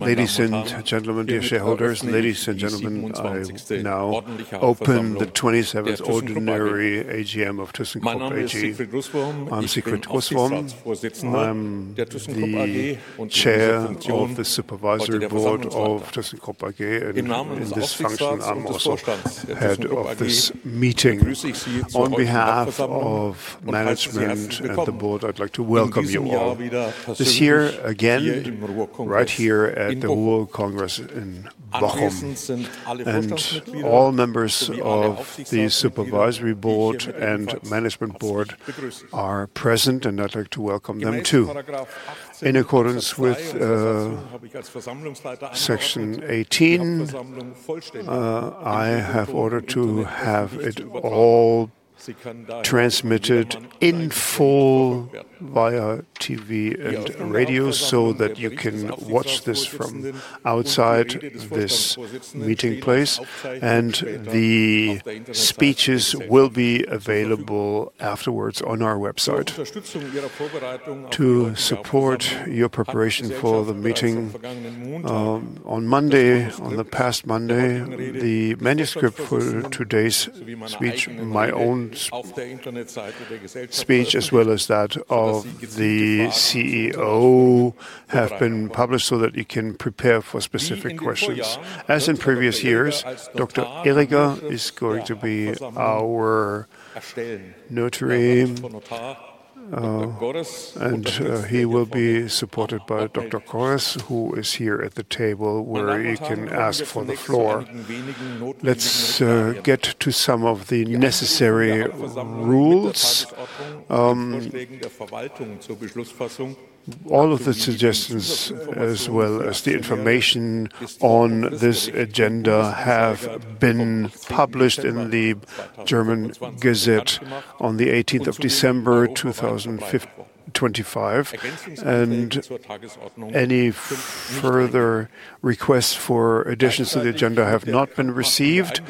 Ladies and gentlemen, dear shareholders. Ladies and gentlemen, I now open the 27th ordinary AGM of thyssenkrupp AG. I'm Siegfried Russwurm. I'm the Chair of the Supervisory Board of thyssenkrupp AG, and in this function I'm also head of this meeting. On behalf of management and the Management Board, I'd like to welcome you all this year again, right here at the RuhrCongress in Bochum. All members of the Supervisory Board and Management Board are present, and I'd like to welcome them too. In accordance with Section 18, I have ordered to have it all transmitted in full via TV and radio so that you can watch this from outside this meeting place, and the speeches will be available afterwards on our website. To support your preparation for the meeting on Monday, on the last Monday, the manuscript for today's speech, my own speech, as well as that of the CEO, have been published so that you can prepare for specific questions. As in previous years, Dr. Hiesinger is going to be our notary, and he will be supported by Dr. Noeres, who is here at the table where you can ask for the floor. Let's get to some of the necessary rules. All of the suggestions as well as the information on this agenda have been published in the Bundesgesetzblatt on the 18th of December 2025, and any further requests for additions to the agenda have not been received.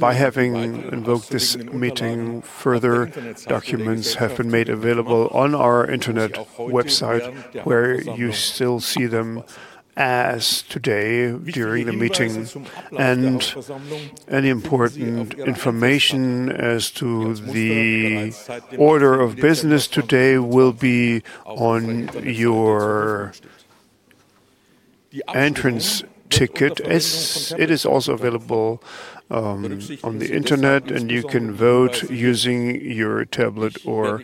By having invoked this meeting, further documents have been made available on our internet website, where you still see them as today during the meeting. Any important information as to the order of business today will be on your entrance ticket. It is also available on the internet, and you can vote using your tablet or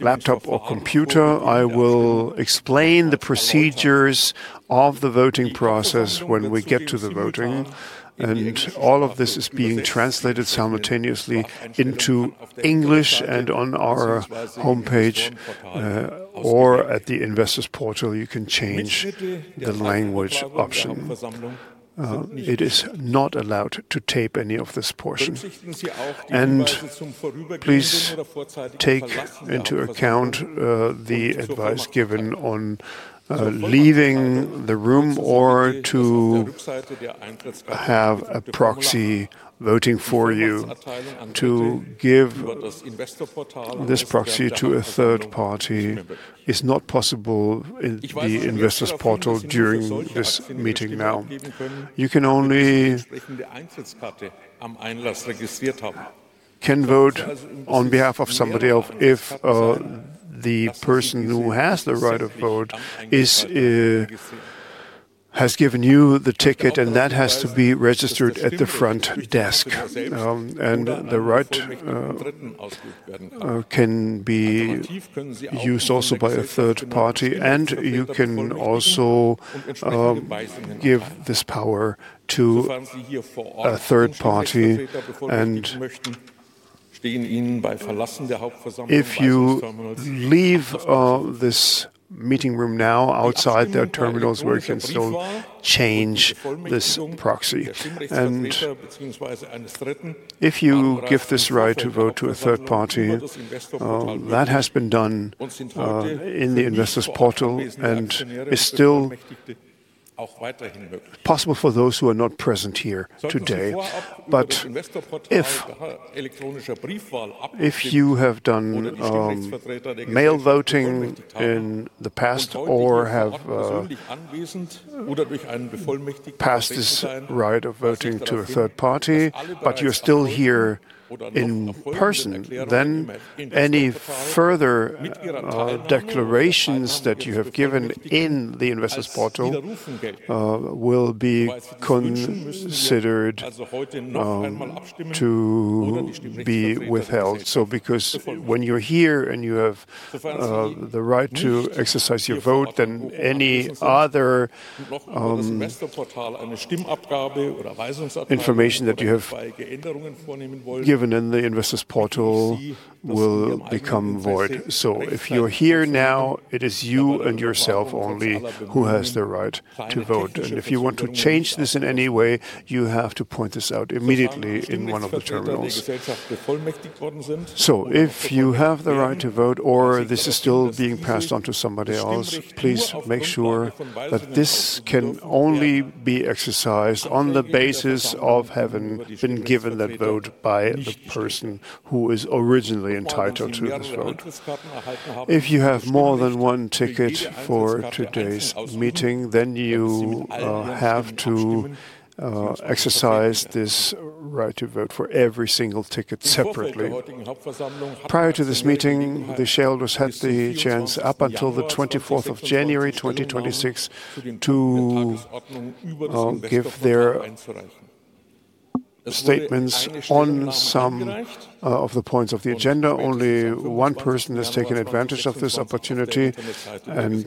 laptop or computer. I will explain the procedures of the voting process when we get to the voting, and all of this is being translated simultaneously into English. On our homepage, or at the investors portal, you can change the language option. It is not allowed to tape any of this portion. Please take into account the advice given on leaving the room or to have a proxy voting for you. To give this proxy to a third party is not possible in the investors portal during this meeting now. You can only vote on behalf of somebody else if the person who has the right of vote has given you the ticket, and that has to be registered at the front desk. The right can be used also by a third party, and you can also give this power to a third party. If you leave this meeting room now, outside there are terminals where you can still change this proxy. If you give this right to vote to a third party, that has been done in the investors portal and is still possible for those who are not present here today. If you have done mail voting in the past or have passed this right of voting to a third party, but you're still here in person, then any further declarations that you have given in the investors portal will be considered to be withheld. Because when you're here and you have the right to exercise your vote, then any other information that you have given in the investors portal will become void. If you're here now, it is you and yourself only who has the right to vote. If you want to change this in any way, you have to point this out immediately in one of the terminals. If you have the right to vote or this is still being passed on to somebody else, please make sure that this can only be exercised on the basis of having been given that vote by the person who is originally entitled to this vote. If you have more than one ticket for today's meeting, then you have to exercise this right to vote for every single ticket separately. Prior to this meeting, the shareholders had the chance up until the 24th of January, 2026 to give their statements on some of the points of the agenda. Only one person has taken advantage of this opportunity, and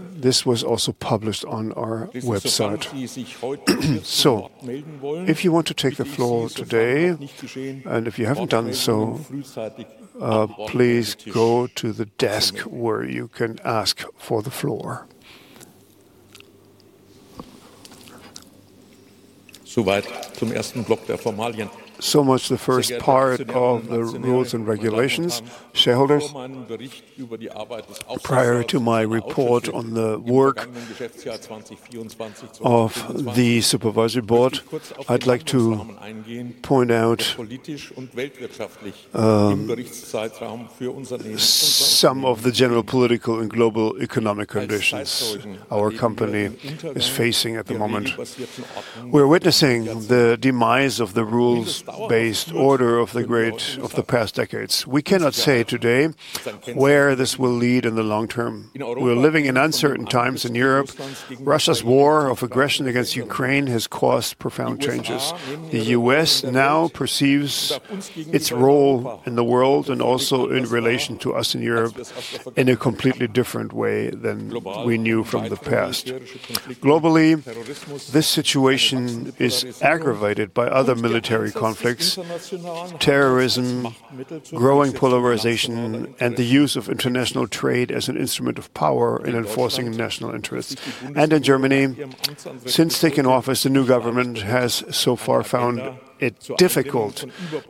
this was also published on our website. If you want to take the floor today, and if you haven't done so, please go to the desk where you can ask for the floor. Much for the first part of the rules and regulations. Shareholders, prior to my report on the work of the Supervisory Board, I'd like to point out some of the general political and global economic conditions our company is facing at the moment. We're witnessing the demise of the rules-based order of the past decades. We cannot say today where this will lead in the long term. We're living in uncertain times in Europe. Russia's war of aggression against Ukraine has caused profound changes. The U.S. now perceives its role in the world and also in relation to us in Europe, in a completely different way than we knew from the past. Globally, this situation is aggravated by other military conflicts, terrorism, growing polarization, and the use of international trade as an instrument of power in enforcing national interests. In Germany, since taking office, the new government has so far found it difficult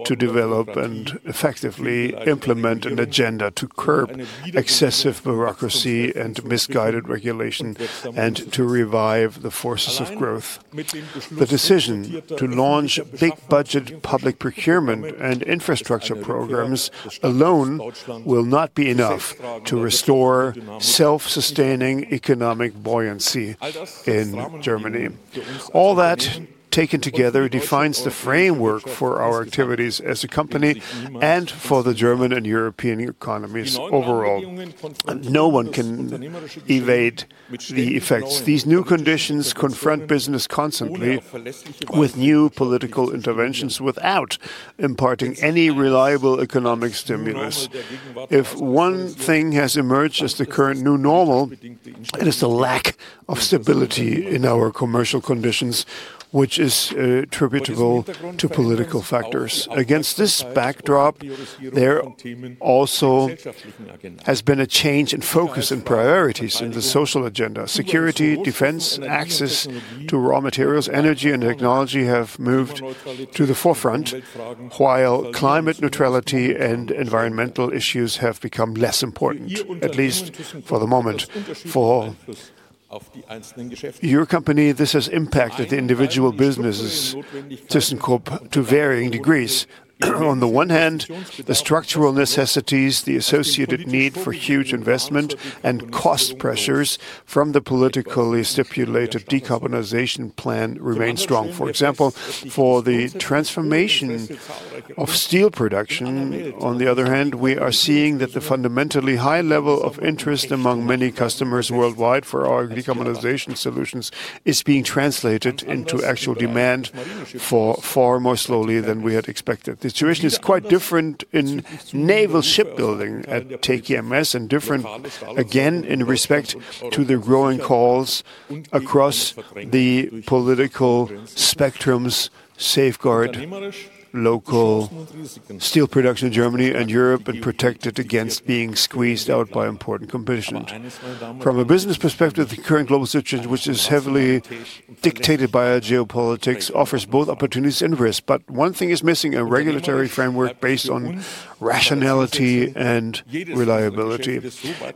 to develop and effectively implement an agenda to curb excessive bureaucracy and misguided regulation, and to revive the forces of growth. The decision to launch big budget public procurement and infrastructure programs alone will not be enough to restore self-sustaining economic buoyancy in Germany. All that taken together defines the framework for our activities as a company and for the German and European economies overall. No one can evade the effects. These new conditions confront business constantly with new political interventions without imparting any reliable economic stimulus. If one thing has emerged as the current new normal, it is the lack of stability in our commercial conditions, which is attributable to political factors. Against this backdrop, there also has been a change in focus and priorities in the social agenda. Security, defense, access to raw materials, energy, and technology have moved to the forefront, while climate neutrality and environmental issues have become less important, at least for the moment. For your company, this has impacted the individual businesses, thyssenkrupp, to varying degrees. On the one hand, the structural necessities, the associated need for huge investment, and cost pressures from the politically stipulated decarbonization plan remain strong, for example, for the transformation of steel production. On the other hand, we are seeing that the fundamentally high level of interest among many customers worldwide for our decarbonization solutions is being translated into actual demand far more slowly than we had expected. The situation is quite different in naval shipbuilding at TKMS, and different again in respect to the growing calls across the political spectrum to safeguard local steel production in Germany and Europe and protect it against being squeezed out by import competition. From a business perspective, the current global situation, which is heavily dictated by geopolitics, offers both opportunities and risk. One thing is missing: a regulatory framework based on rationality and reliability.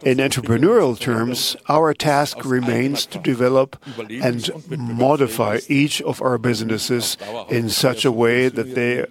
In entrepreneurial terms, our task remains to develop and modify each of our businesses in such a way that they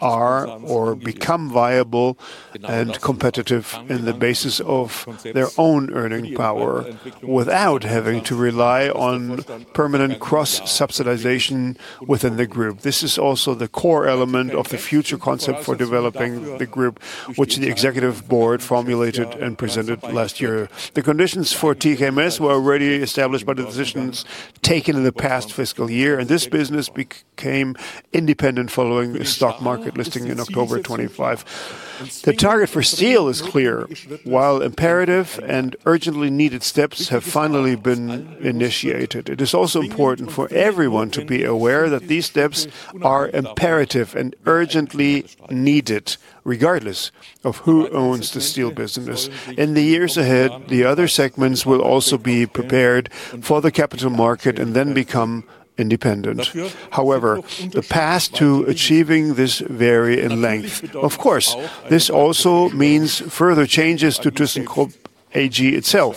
are or become viable and competitive in the basis of their own earning power, without having to rely on permanent cross-subsidization within the group. This is also the core element of the future concept for developing the group, which the Executive Board formulated and presented last year. The conditions for TKMS were already established by the decisions taken in the past fiscal year, and this business became independent following a stock market listing in October 2025. The target for Steel is clear. While imperative and urgently needed steps have finally been initiated, it is also important for everyone to be aware that these steps are imperative and urgently needed, regardless of who owns the Steel business. In the years ahead, the other segments will also be prepared for the capital market and then become independent. However, the path to achieving this vary in length. Of course, this also means further changes to thyssenkrupp AG itself.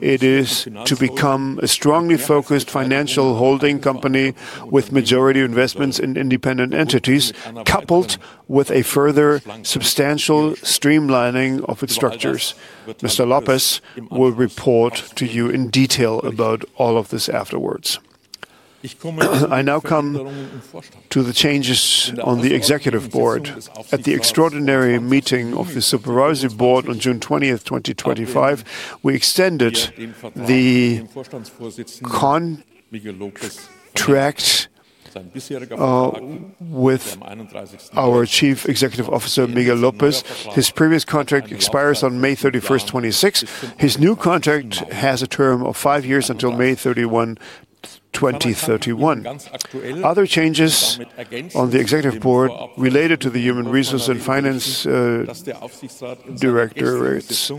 It is to become a strongly focused financial holding company with majority investments in independent entities, coupled with a further substantial streamlining of its structures. Mr. López will report to you in detail about all of this afterwards. I now come to the changes on the executive board. At the extraordinary meeting of the supervisory board on June 20th, 2025, we extended the contract with our Chief Executive Officer, Miguel López. His previous contract expires on May 31st, 2026. His new contract has a term of five years until May 31, 2031. Other changes on the Executive Board related to the human resource and finance director roles.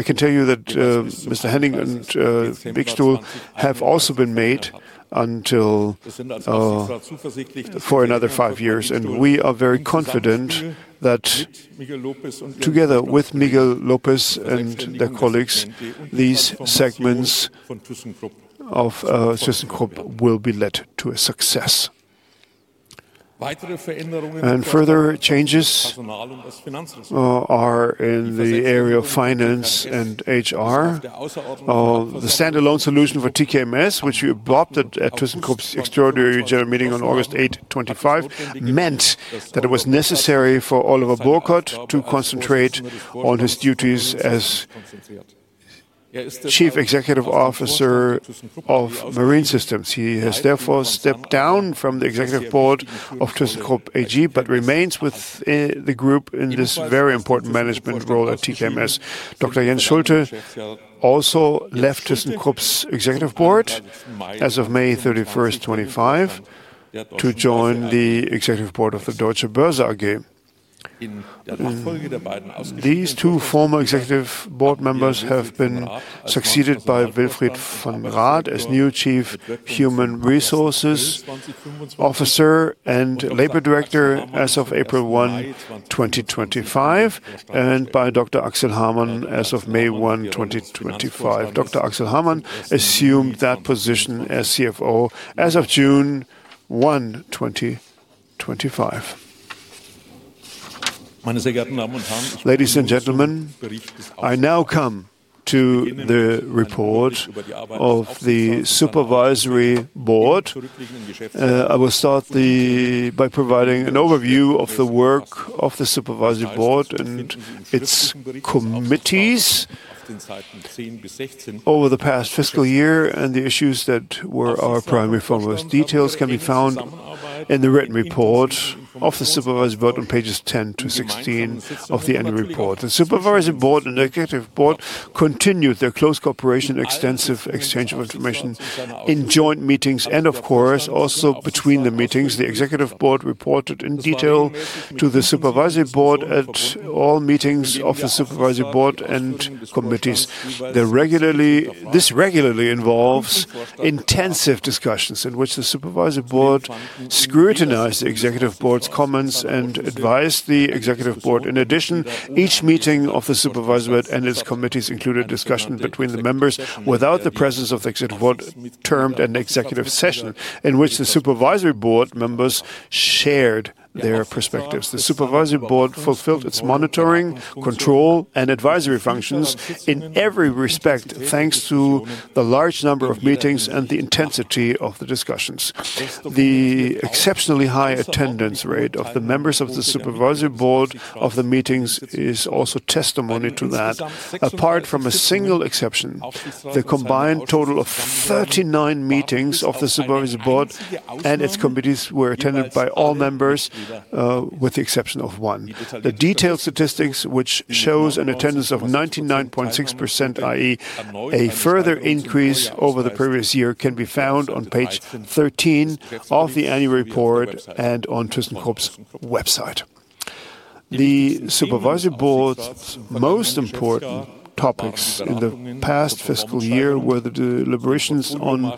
I can tell you that Ilse Henne and Cetin Nazikkol have also been named for another five years, and we are very confident that together with Miguel López and their colleagues, these segments of thyssenkrupp will be led to a success. Further changes are in the area of finance and HR. The standalone solution for TKMS, which you adopted at thyssenkrupp's Extraordinary General Meeting on August 8th, 2025, meant that it was necessary for Oliver Burkhard to concentrate on his duties as Chief Executive Officer of Marine Systems. He has therefore stepped down from the Executive Board of thyssenkrupp AG, but remains with the group in this very important management role at TKMS. Dr. Jens Schulte also left thyssenkrupp's Executive Board as of May 31st, 2025, to join the executive board of the Deutsche Börse AG. These two former executive board members have been succeeded by Wilfried von Rath as new Chief Human Resources Officer and Labor Director as of April 1, 2025, and by Dr. Axel Hamann as of May 1, 2025. Dr. Axel Hamann assumed that position as CFO as of June 1, 2025. Ladies and gentlemen, I now come to the report of the Supervisory Board. I will start by providing an overview of the work of the Supervisory Board and its committees over the past fiscal year and the issues that were our primary focus. Details can be found in the written report of the Supervisory Board on pages 10 to 16 of the Annual Report. The Supervisory Board and Executive Board continued their close cooperation, extensive exchange of information in joint meetings, and of course, also between the meetings. The Executive Board reported in detail to the Supervisory Board at all meetings of the Supervisory Board and committees. This regularly involves intensive discussions in which the Supervisory Board scrutinizes the Executive Board's comments and advises the Executive Board. In addition, each meeting of the Supervisory Board and its committees included discussions between the members without the presence of the Executive Board termed an executive session, in which the Supervisory Board members shared their perspectives. The Supervisory Board fulfilled its monitoring, control, and advisory functions in every respect, thanks to the large number of meetings and the intensity of the discussions. The exceptionally high attendance rate of the members of the Supervisory Board of the meetings is also testimony to that. Apart from a single exception, the combined total of 39 meetings of the Supervisory Board and its committees were attended by all members, with the exception of one. The detailed statistics, which shows an attendance of 99.6%, i.e. a further increase over the previous year, can be found on page 13 of the annual report and on thyssenkrupp's website. The Supervisory Board's most important topics in the past fiscal year were the deliberations on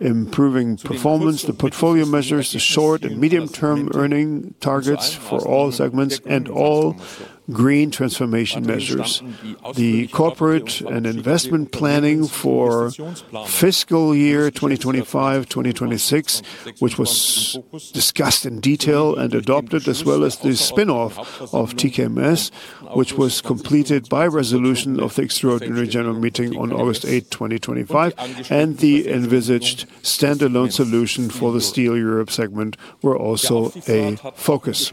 improving performance, the portfolio measures, the short and medium-term earning targets for all segments, and all green transformation measures. The corporate and investment planning for fiscal year 2025/2026, which was discussed in detail and adopted, as well as the spin-off of TKMS, which was completed by resolution of the extraordinary general meeting on August 8, 2025, and the envisaged standalone solution for Steel Europe segment, were also a focus.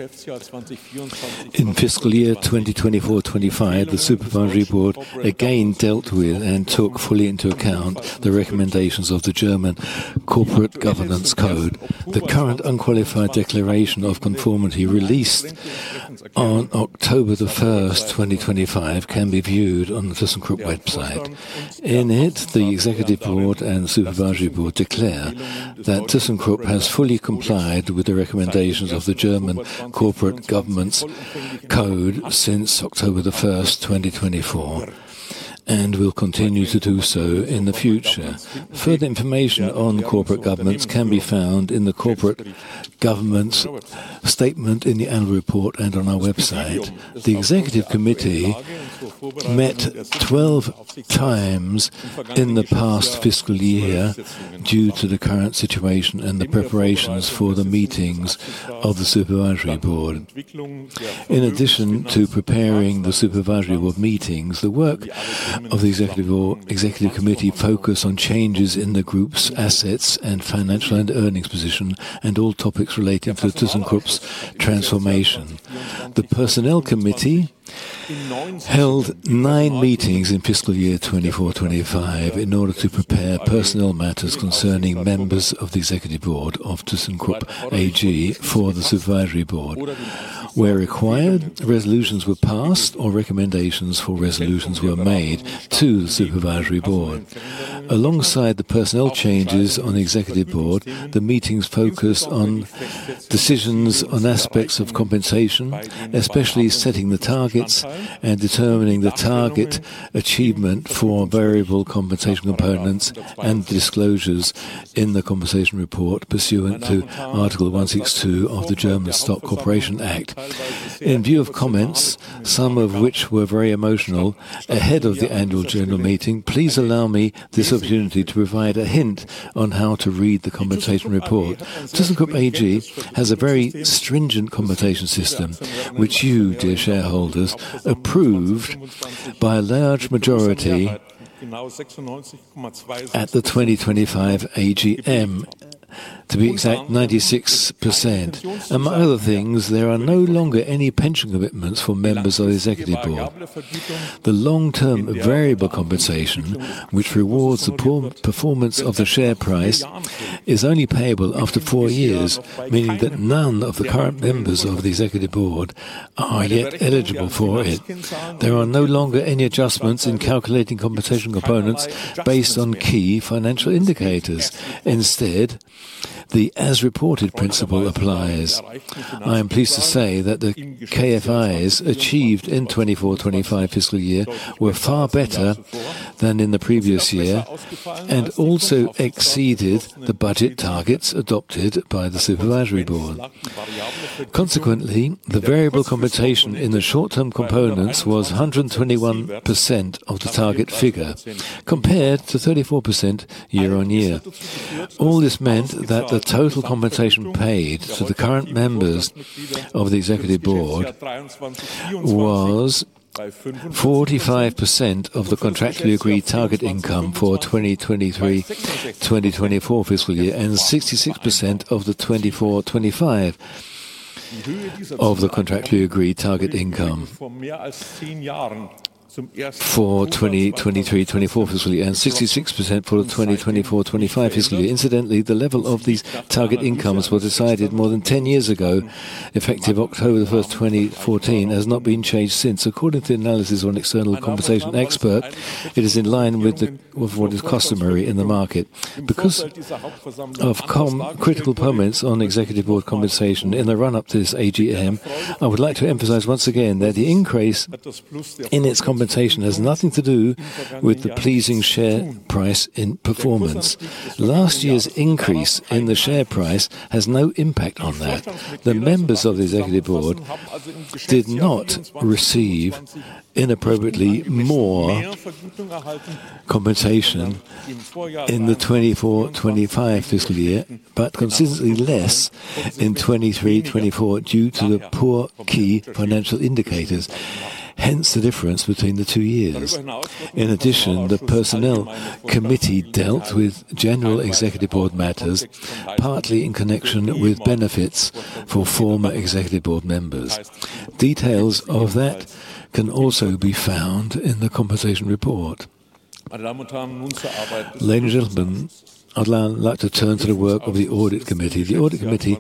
In fiscal year 2024/2025, the Supervisory Board again dealt with and took fully into account the recommendations of the German Corporate Governance Code. The current unqualified declaration of conformity released on October 1st, 2025, can be viewed on the thyssenkrupp website. In it, the Executive Board and Supervisory Board declare that thyssenkrupp has fully complied with the recommendations of the German Corporate Governance Code since October 1st, 2024. Will continue to do so in the future. Further information on corporate governance can be found in the corporate governance statement in the annual report and on our website. The Executive Committee met 12 times in the past fiscal year due to the current situation and the preparations for the meetings of the Supervisory Board. In addition to preparing the Supervisory Board meetings, the work of the Executive Committee focused on changes in the group's assets and financial and earnings position, and all topics relating to thyssenkrupp's transformation. The Personnel Committee held nine meetings in fiscal year 2024/2025 in order to prepare personnel matters concerning members of the executive board of thyssenkrupp AG for the Supervisory Board. Where required, resolutions were passed or recommendations for resolutions were made to the Supervisory Board. Alongside the personnel changes on the Executive Board, the meetings focused on decisions on aspects of compensation, especially setting the targets and determining the target achievement for variable compensation components and disclosures in the compensation report pursuant to Section 162 of the German Stock Corporation Act. In view of comments, some of which were very emotional, ahead of the annual general meeting, please allow me this opportunity to provide a hint on how to read the compensation report. thyssenkrupp AG has a very stringent compensation system, which you, dear shareholders, approved by a large majority at the 2025 AGM. To be exact, 96%. Among other things, there are no longer any pension commitments for members of the Executive Board. The long-term variable compensation, which rewards the poor performance of the share price, is only payable after four years, meaning that none of the current members of the Executive Board are yet eligible for it. There are no longer any adjustments in calculating compensation components based on key financial indicators. Instead, the as reported principle applies. I am pleased to say that the KFIs achieved in 2024/2025 fiscal year were far better than in the previous year, and also exceeded the budget targets adopted by the Supervisory Board. Consequently, the variable compensation in the short-term components was 121% of the target figure, compared to 34% year-over-year. All this meant that the total compensation paid to the current members of the Executive Board was 45% of the contractually agreed target income for 2023/2024 fiscal year, and 66% of the 2024/2025 of the contractually agreed target income for 2023/2024 fiscal year, and 66% for the 2024/2025 fiscal year. Incidentally, the level of these target incomes were decided more than 10 years ago, effective October 1st, 2014, has not been changed since. According to the analysis of an external compensation expert, it is in line with what is customary in the market. Because of critical comments on Executive Board compensation in the run-up to this AGM, I would like to emphasize once again that the increase in its compensation has nothing to do with the pleasing share price performance. Last year's increase in the share price has no impact on that. The members of the Executive Board did not receive inappropriately more compensation in the 2024/2025 fiscal year, but consistently less in 2023/2024 due to the poor key financial indicators, hence the difference between the two years. In addition, the Personnel Committee dealt with general Executive Board matters, partly in connection with benefits for former Executive Board members. Details of that can also be found in the Compensation Report. Ladies and gentlemen, I'd now like to turn to the work of the Audit Committee. The Audit Committee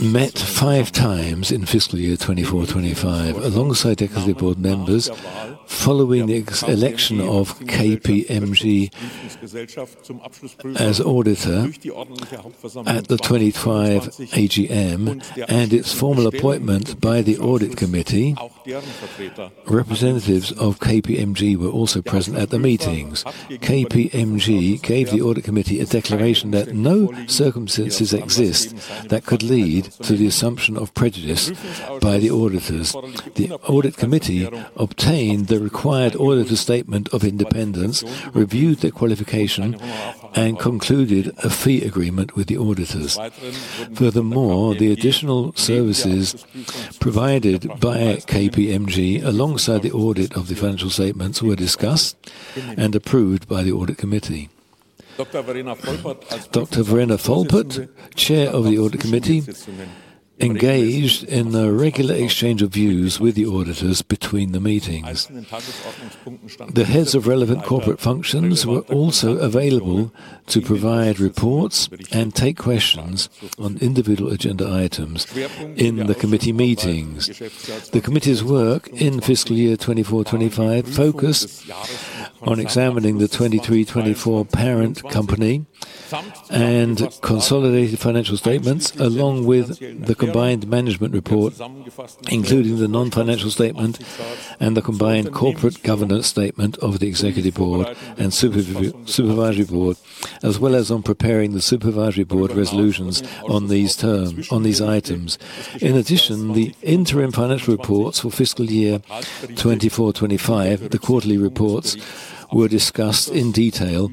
met five times in fiscal year 2024/2025. Alongside Executive Board members, following the election of KPMG as auditor at the 2025 AGM and its formal appointment by the Audit Committee, representatives of KPMG were also present at the meetings. KPMG gave the Audit Committee a declaration that no circumstances exist that could lead to the assumption of prejudice by the auditors. The audit committee obtained the required auditor statement of independence, reviewed their qualification, and concluded a fee agreement with the auditors. Furthermore, the additional services provided by KPMG alongside the audit of the financial statements were discussed and approved by the audit committee. Dr. Verena Volpert, Chair of the Audit Committee, engaged in a regular exchange of views with the auditors between the meetings. The heads of relevant corporate functions were also available to provide reports and take questions on individual agenda items in the committee meetings. The committee's work in fiscal year 2024/2025 focused on examining the 2023/2024 parent company and consolidated financial statements, along with the combined management report, including the non-financial statement and the combined corporate governance statement of the executive board and supervisory board, as well as on preparing the supervisory board resolutions on these items. In addition, the interim financial reports for fiscal year 2024/2025, the quarterly reports, were discussed in detail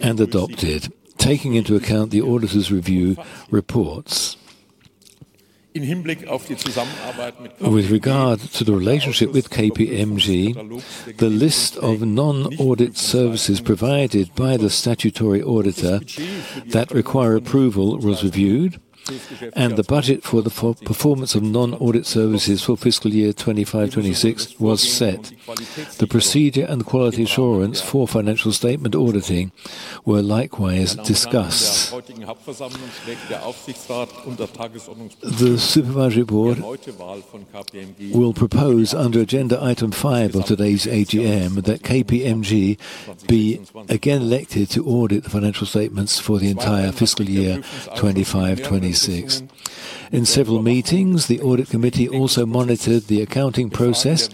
and adopted, taking into account the auditor's review reports. With regard to the relationship with KPMG, the list of non-audit services provided by the statutory auditor that require approval was reviewed, and the budget for the performance of non-audit services for fiscal year 2025/2026 was set. The procedure and the quality assurance for financial statement auditing were likewise discussed. The supervisory board will propose under agenda item five of today's AGM that KPMG be again elected to audit the financial statements for the entire fiscal year 2025/2026. In several meetings, the audit committee also monitored the accounting process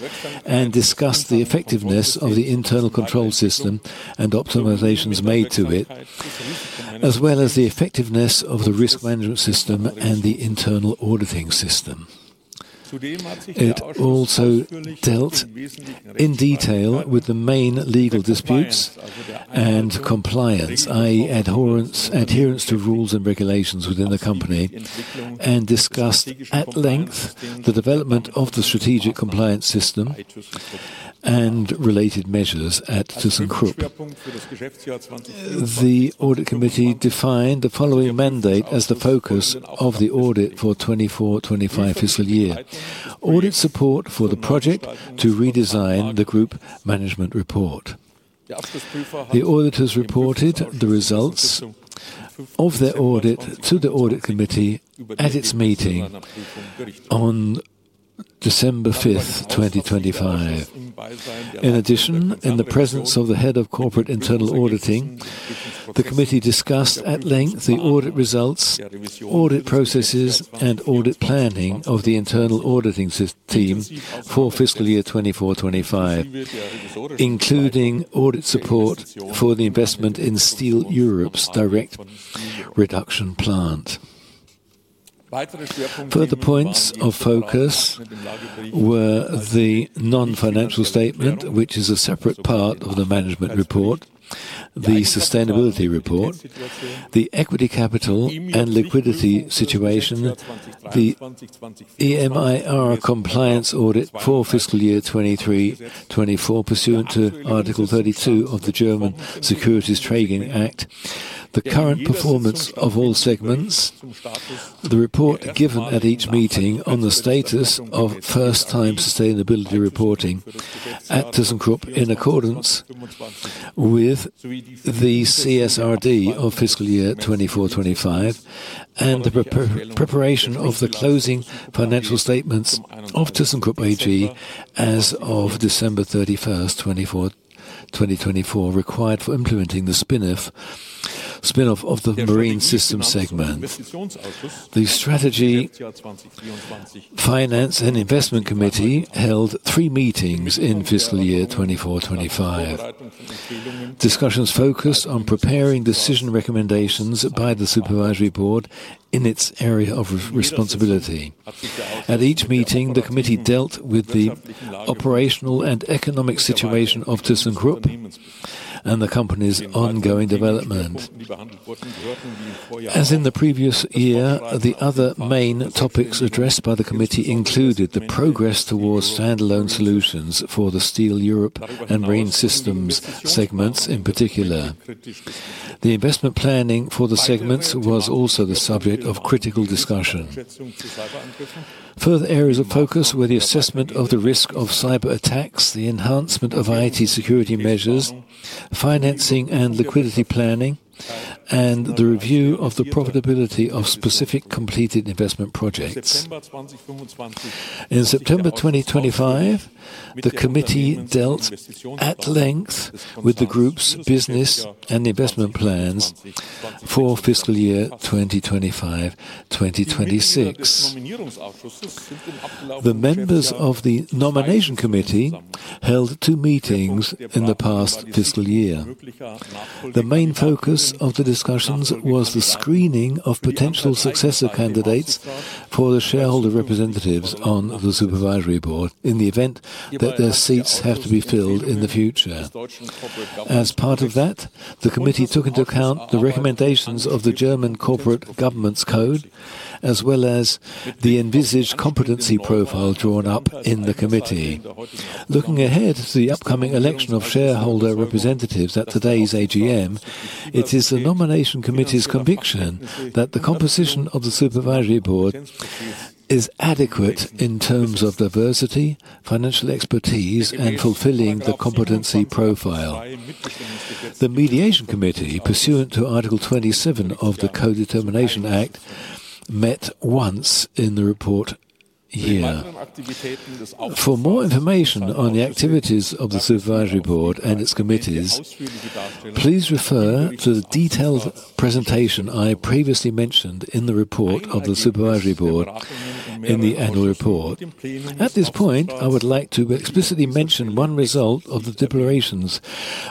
and discussed the effectiveness of the internal control system and optimizations made to it, as well as the effectiveness of the risk management system and the internal auditing system. It also dealt in detail with the main legal disputes and compliance, i.e., adherence to rules and regulations within the company, and discussed at length the development of the strategic compliance system and related measures at thyssenkrupp. The Audit Committee defined the following mandate as the focus of the audit for the 2024/2025 fiscal year. Audit support for the project to redesign the group management report. The auditors reported the results of their audit to the Audit Committee at its meeting on December 5th, 2025. In addition, in the presence of the head of corporate internal auditing, the committee discussed at length the audit results, audit processes, and audit planning of the internal auditing team for fiscal year 2024/2025, including audit support for the investment thyssenkrupp Steel Europe's direct reduction plant. Further points of focus were the non-financial statement, which is a separate part of the management report, the sustainability report, the equity capital, and liquidity situation, the EMIR compliance audit for fiscal year 2023/2024, pursuant to Article 32 of the German Securities Trading Act, the current performance of all segments, the report given at each meeting on the status of first-time sustainability reporting at thyssenkrupp in accordance with the CSRD of fiscal year 2024/2025, and the preparation of the closing financial statements of thyssenkrupp AG as of December 31st, 2024, required for implementing the spin-off of the Marine Systems segment. The Strategy, Finance, and Investment Committee held three meetings in fiscal year 2024/2025. Discussions focused on preparing decision recommendations by the supervisory board in its area of responsibility. At each meeting, the committee dealt with the operational and economic situation of thyssenkrupp and the company's ongoing development. As in the previous year, the other main topics addressed by the committee included the progress towards standalone solutions for Steel Europe and Marine Systems segments in particular. The investment planning for the segments was also the subject of critical discussion. Further areas of focus were the assessment of the risk of cyberattacks, the enhancement of IT security measures, financing and liquidity planning, and the review of the profitability of specific completed investment projects. In September 2025, the committee dealt at length with the group's business and investment plans for fiscal year 2025/2026. The members of the nomination committee held two meetings in the past fiscal year. The main focus of the discussions was the screening of potential successor candidates for the shareholder representatives on the supervisory board in the event that their seats have to be filled in the future. As part of that, the committee took into account the recommendations of the German Corporate Governance Code, as well as the envisaged competency profile drawn up in the committee. Looking ahead to the upcoming election of shareholder representatives at today's AGM, it is the nomination committee's conviction that the composition of the supervisory board is adequate in terms of diversity, financial expertise, and fulfilling the competency profile. The mediation committee, pursuant to Article 27 of the Codetermination Act, met once in the reporting period. For more information on the activities of the supervisory board and its committees, please refer to the detailed presentation I previously mentioned in the report of the supervisory board in the annual report. At this point, I would like to explicitly mention one result of the deliberations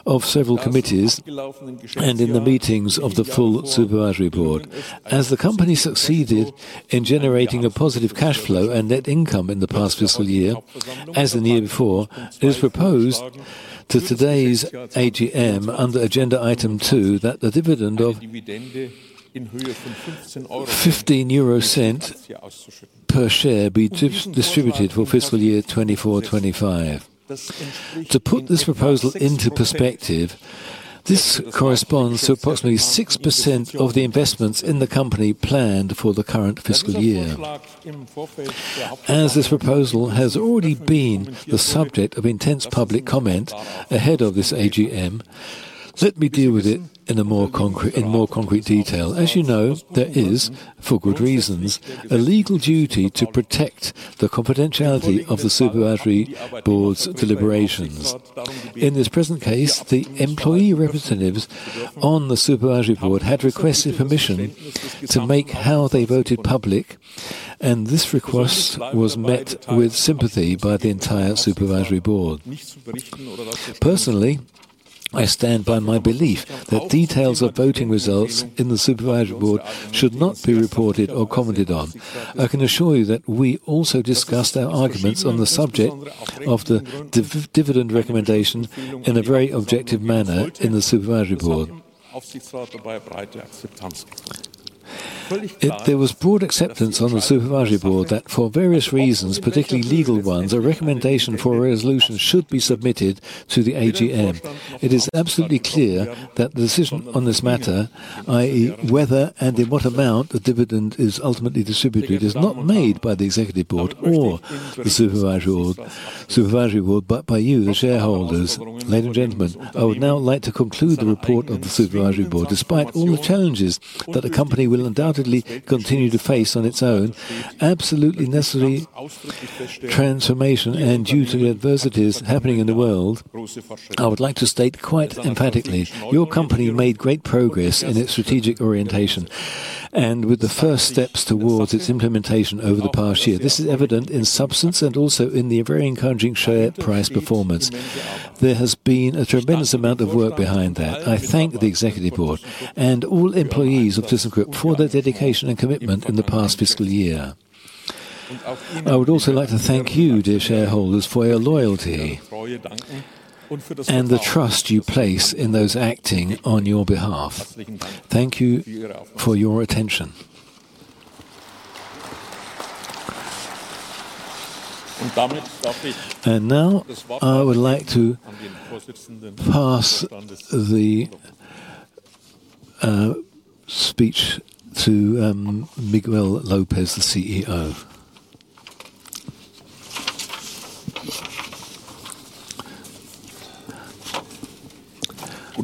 of several committees and in the meetings of the full supervisory board. As the company succeeded in generating a positive cash flow and net income in the past fiscal year, as in the year before, it is proposed to today's AGM under agenda item two that the dividend of 0.15 per share be distributed for fiscal year 2024/2025. To put this proposal into perspective, this corresponds to approximately 6% of the investments in the company planned for the current fiscal year. As this proposal has already been the subject of intense public comment ahead of this AGM, let me deal with it in more concrete detail. As you know, there is, for good reasons, a legal duty to protect the confidentiality of the supervisory board's deliberations. In this present case, the employee representatives on the supervisory board had requested permission to make how they voted public, and this request was met with sympathy by the entire supervisory board. Personally, I stand by my belief that details of voting results in the Supervisory Board should not be reported or commented on. I can assure you that we also discussed our arguments on the subject of the dividend recommendation in a very objective manner in the Supervisory Board. There was broad acceptance on the Supervisory Board that for various reasons, particularly legal ones, a recommendation for a resolution should be submitted to the AGM. It is absolutely clear that the decision on this matter, i.e., whether and in what amount the dividend is ultimately distributed, is not made by the Executive Board or the Supervisory Board, but by you, the shareholders. Ladies and gentlemen, I would now like to conclude the report of the Supervisory Board. Despite all the challenges that the company will undoubtedly continue to face in its own absolutely necessary transformation, and due to the adversities happening in the world, I would like to state quite emphatically, your company made great progress in its strategic orientation and with the first steps towards its implementation over the past year. This is evident in substance and also in the very encouraging share price performance. There has been a tremendous amount of work behind that. I thank the Executive Board and all employees of thyssenkrupp for their dedication and commitment in the past fiscal year. I would also like to thank you, dear shareholders, for your loyalty and the trust you place in those acting on your behalf. Thank you for your attention. Now I would like to pass the speech to Miguel López, the CEO.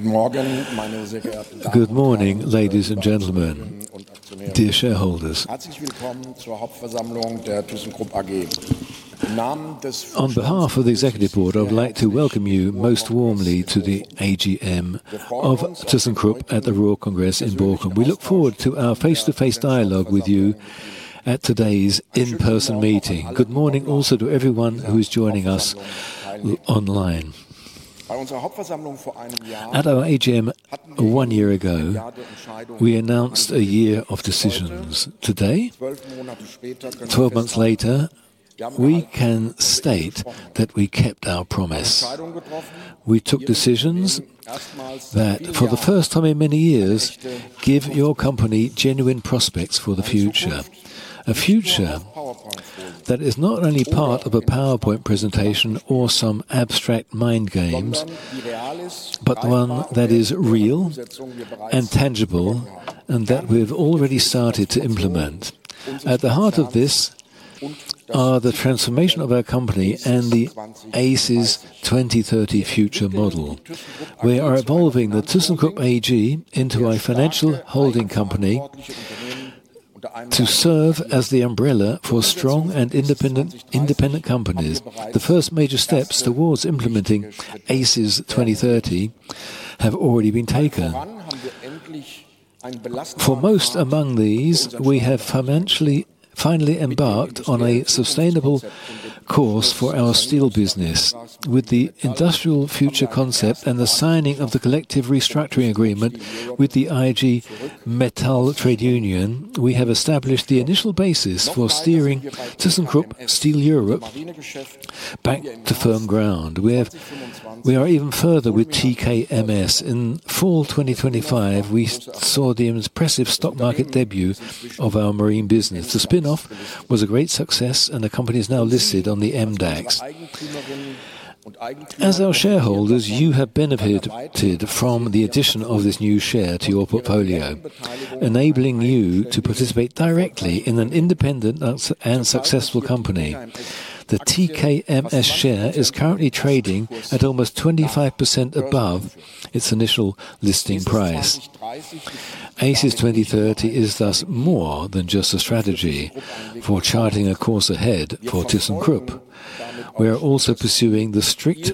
Good morning, ladies and gentlemen, dear shareholders. On behalf of the Executive Board, I would like to welcome you most warmly to the AGM of thyssenkrupp at the RuhrCongress in Bochum. We look forward to our face-to-face dialogue with you at today's in-person meeting. Good morning also to everyone who is joining us online. At our AGM one year ago, we announced a year of decisions. Today, 12 months later, we can state that we kept our promise. We took decisions that for the first time in many years, give your company genuine prospects for the future. A future that is not only part of a PowerPoint presentation or some abstract mind games, but one that is real and tangible and that we've already started to implement. At the heart of this are the transformation of our company and the ACES 2030 future model. We are evolving the thyssenkrupp AG into a financial holding company to serve as the umbrella for strong and independent companies. The first major steps towards implementing ACES 2030 have already been taken. Foremost among these, we have finally embarked on a sustainable course for our Steel business. With the industrial future concept and the signing of the collective restructuring agreement with the IG Metall trade union, we have established the initial basis for steering thyssenkrupp Steel Europe back to firm ground. We are even further with TKMS. In fall 2025, we saw the impressive stock market debut of our Marine business. The spinoff was a great success, and the company is now listed on the MDAX. As our shareholders, you have benefited from the addition of this new share to your portfolio, enabling you to participate directly in an independent and successful company. The TKMS share is currently trading at almost 25% above its initial listing price. ACES 2030 is thus more than just a strategy for charting a course ahead for thyssenkrupp. We are also pursuing the strict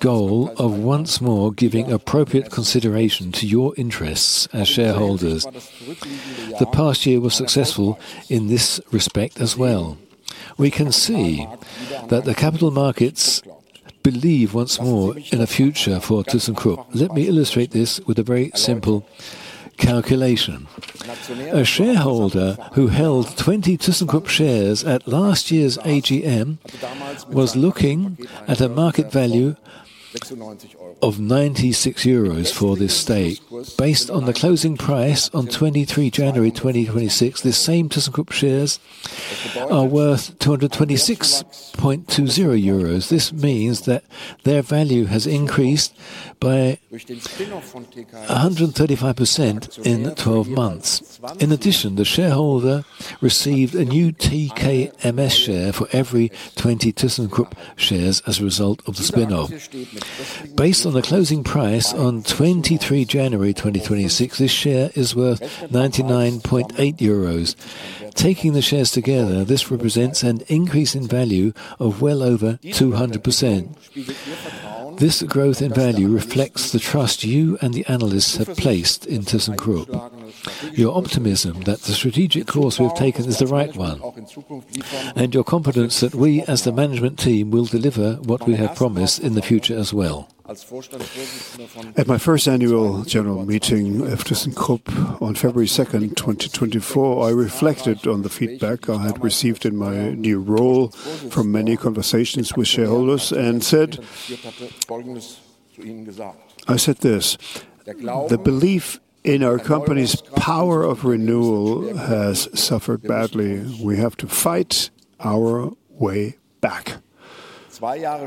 goal of once more giving appropriate consideration to your interests as shareholders. The past year was successful in this respect as well. We can see that the capital markets believe once more in a future for thyssenkrupp. Let me illustrate this with a very simple calculation. A shareholder who held 20 thyssenkrupp shares at last year's AGM was looking at a market value of 96 euros for this stake. Based on the closing price on 23 January 2026, the same thyssenkrupp shares are worth 226.20 euros. This means that their value has increased by 135% in the 12 months. In addition, the shareholder received a new TKMS share for every 20 thyssenkrupp shares as a result of the spin-off. Based on the closing price on 23 January 2026, this share is worth 99.80 euros. Taking the shares together, this represents an increase in value of well over 200%. This growth in value reflects the trust you and the analysts have placed in thyssenkrupp, your optimism that the strategic course we've taken is the right one, and your confidence that we, as the management team, will deliver what we have promised in the future as well. At my first annual general meeting of thyssenkrupp on February 2nd, 2024, I reflected on the feedback I had received in my new role from many conversations with shareholders and I said this, "The belief in our company's power of renewal has suffered badly. We have to fight our way back."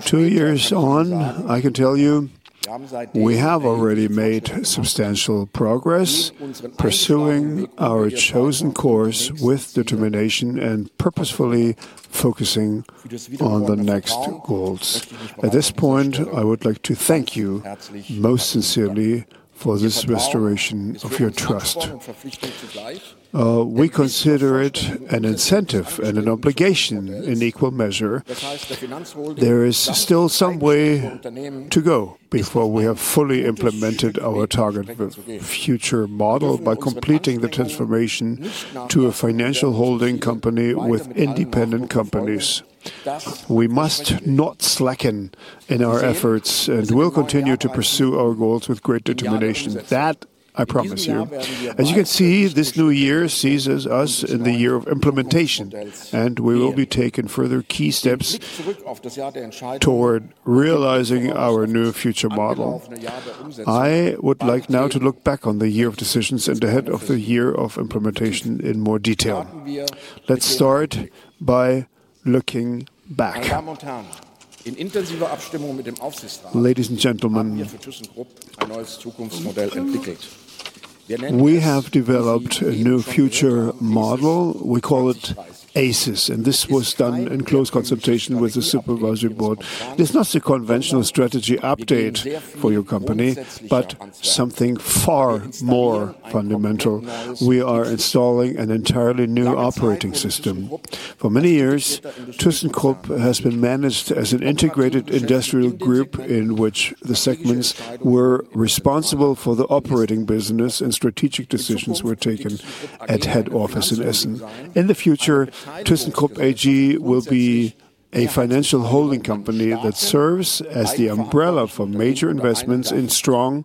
Two years on, I can tell you we have already made substantial progress pursuing our chosen course with determination and purposefully focusing on the next goals. At this point, I would like to thank you most sincerely for this restoration of your trust. We consider it an incentive and an obligation in equal measure. There is still some way to go before we have fully implemented our targeted future model by completing the transformation to a financial holding company with independent companies. We must not slacken in our efforts and will continue to pursue our goals with great determination. That I promise you. As you can see, this new year sees us in the year of implementation, and we will be taking further key steps toward realizing our new future model. I would like now to look back on the year of decisions and ahead of the year of implementation in more detail. Let's start by looking back. Ladies and gentlemen, we have developed a new future model. We call it ACES, and this was done in close consultation with the supervisory board. It's not a conventional strategy update for your company, but something far more fundamental. We are installing an entirely new operating system. For many years, thyssenkrupp has been managed as an integrated industrial group, in which the segments were responsible for the operating business and strategic decisions were taken at head office in Essen. In the future, thyssenkrupp AG will be a financial holding company that serves as the umbrella for major investments in strong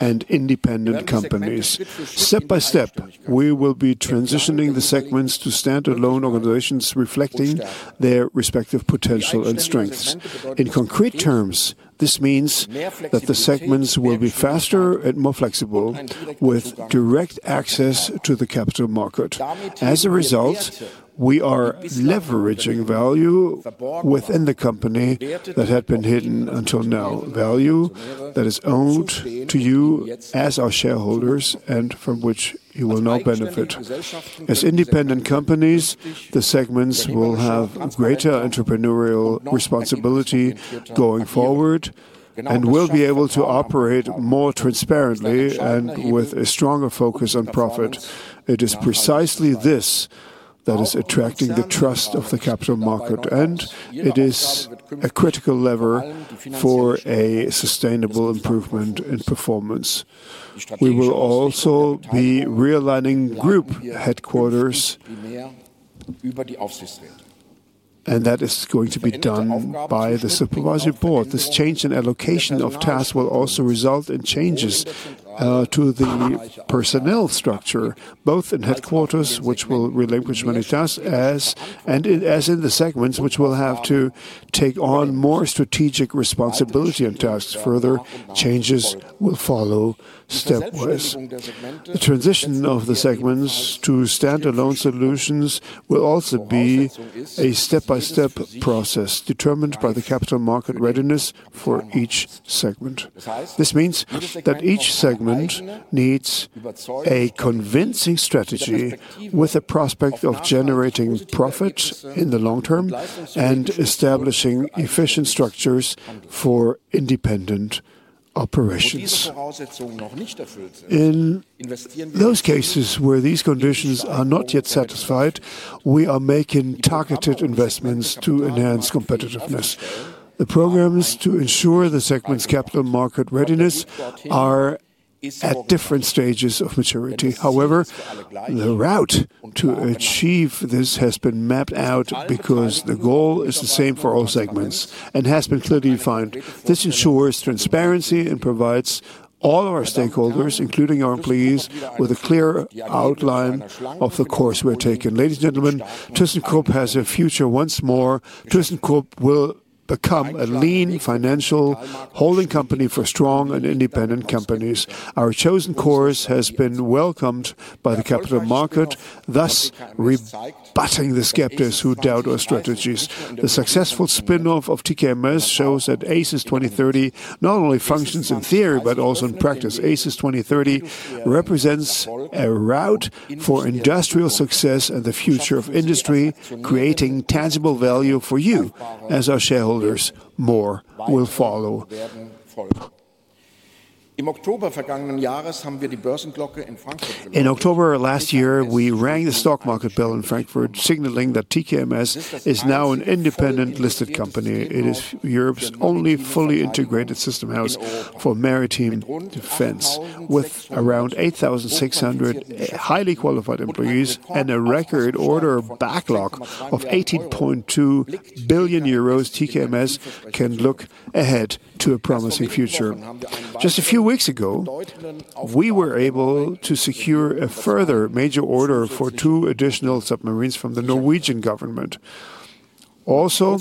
and independent companies. Step by step, we will be transitioning the segments to stand-alone organizations, reflecting their respective potential and strengths. In concrete terms, this means that the segments will be faster and more flexible with direct access to the capital market. As a result, we are leveraging value within the company that had been hidden until now. Value that is owed to you as our shareholders and from which you will now benefit. As independent companies, the segments will have greater entrepreneurial responsibility going forward and will be able to operate more transparently and with a stronger focus on profit. It is precisely this that is attracting the trust of the capital market, and it is a critical lever for a sustainable improvement in performance. We will also be realigning group headquarters, and that is going to be done by the supervisory board. This change in allocation of tasks will also result in changes to the personnel structure, both in headquarters, which will relinquish many tasks, and as in the segments which will have to take on more strategic responsibility and tasks. Further changes will follow stepwise. The transition of the segments to stand-alone solutions will also be a step-by-step process determined by the capital market readiness for each segment. This means that each segment needs a convincing strategy with a prospect of generating profits in the long term and establishing efficient structures for independent operations. In those cases where these conditions are not yet satisfied, we are making targeted investments to enhance competitiveness. The programs to ensure the segment's capital market readiness are at different stages of maturity. However, the route to achieve this has been mapped out because the goal is the same for all segments and has been clearly defined. This ensures transparency and provides all our stakeholders, including our employees, with a clear outline of the course we're taking. Ladies and gentlemen, thyssenkrupp has a future once more. thyssenkrupp will become a lean financial holding company for strong and independent companies. Our chosen course has been welcomed by the capital market, thus rebutting the skeptics who doubt our strategies. The successful spin-off of TKMS shows that ACES 2030 not only functions in theory, but also in practice. ACES 2030 represents a route for industrial success and the future of industry, creating tangible value for you as our shareholders. More will follow. In October of last year, we rang the stock market bell in Frankfurt, signaling that TKMS is now an independent listed company. It is Europe's only fully integrated system house for maritime defense. With around 8,600 highly qualified employees and a record order backlog of 18.2 billion euros, TKMS can look ahead to a promising future. Just a few weeks ago, we were able to secure a further major order for two additional submarines from the Norwegian government. Also,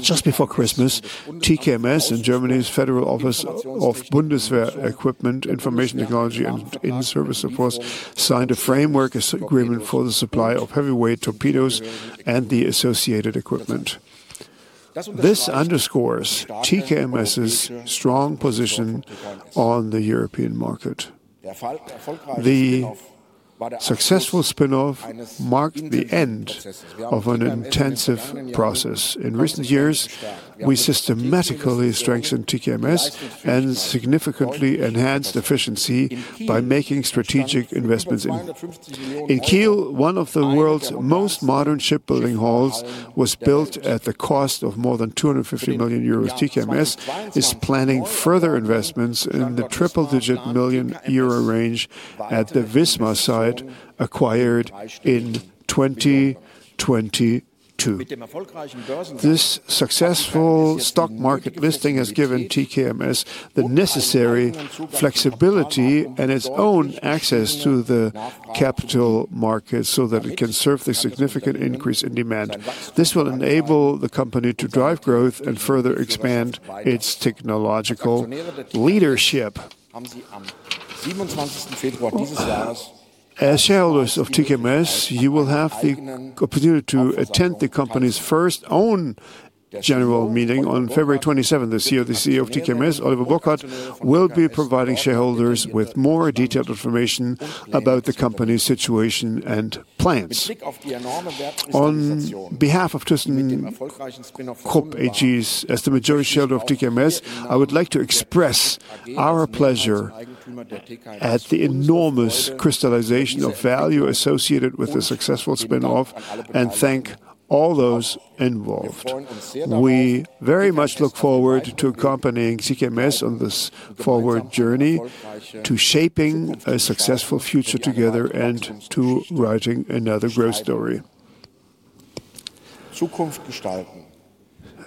just before Christmas, TKMS and Germany's Federal Office of Bundeswehr Equipment, Information Technology, and In-Service Support signed a framework agreement for the supply of heavyweight torpedoes and the associated equipment. This underscores TKMS's strong position on the European market. The successful spin-off marked the end of an intensive process. In recent years, we systematically strengthened TKMS and significantly enhanced efficiency by making strategic investments. In Kiel, one of the world's most modern shipbuilding halls was built at the cost of more than 250 million euros. TKMS is planning further investments in the triple-digit million euro range at the Wismar site acquired in 2022. This successful stock market listing has given TKMS the necessary flexibility and its own access to the capital market so that it can serve the significant increase in demand. This will enable the company to drive growth and further expand its technological leadership. As shareholders of TKMS, you will have the opportunity to attend the company's first own general meeting on February 27 this year. The CEO of TKMS, Oliver Burkhard, will be providing shareholders with more detailed information about the company's situation and plans. On behalf of thyssenkrupp AG as the majority shareholder of TKMS, I would like to express our pleasure at the enormous crystallization of value associated with the successful spin-off and thank all those involved. We very much look forward to accompanying TKMS on this forward journey to shaping a successful future together and to writing another growth story.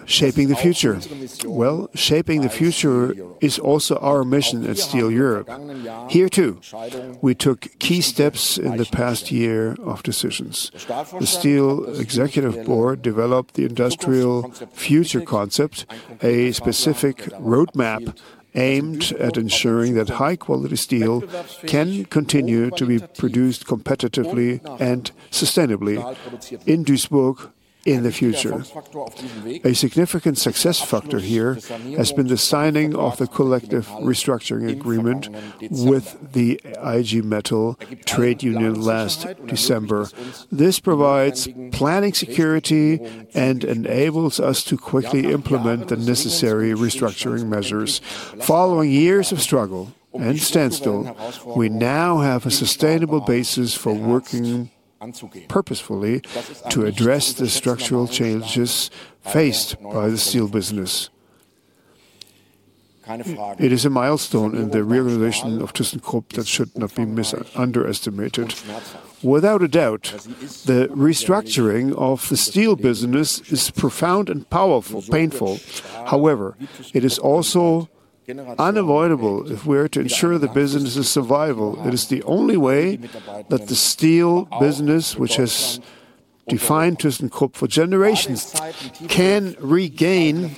Shaping the future. Well, shaping the future is also our mission at Steel Europe. Here too, we took key steps in the past year of decisions. The Steel Executive Board developed the industrial future concept, a specific roadmap aimed at ensuring that high-quality steel can continue to be produced competitively and sustainably in Duisburg in the future. A significant success factor here has been the signing of the collective restructuring agreement with IG Metall last December. This provides planning security and enables us to quickly implement the necessary restructuring measures. Following years of struggle and standstill, we now have a sustainable basis for working purposefully to address the structural challenges faced by the Steel business. It is a milestone in the realization of thyssenkrupp that should not be underestimated. Without a doubt, the restructuring of the Steel business is profound and powerful, painful. However, it is also unavoidable if we are to ensure the business' survival. It is the only way that the Steel business, which has defined thyssenkrupp for generations, can regain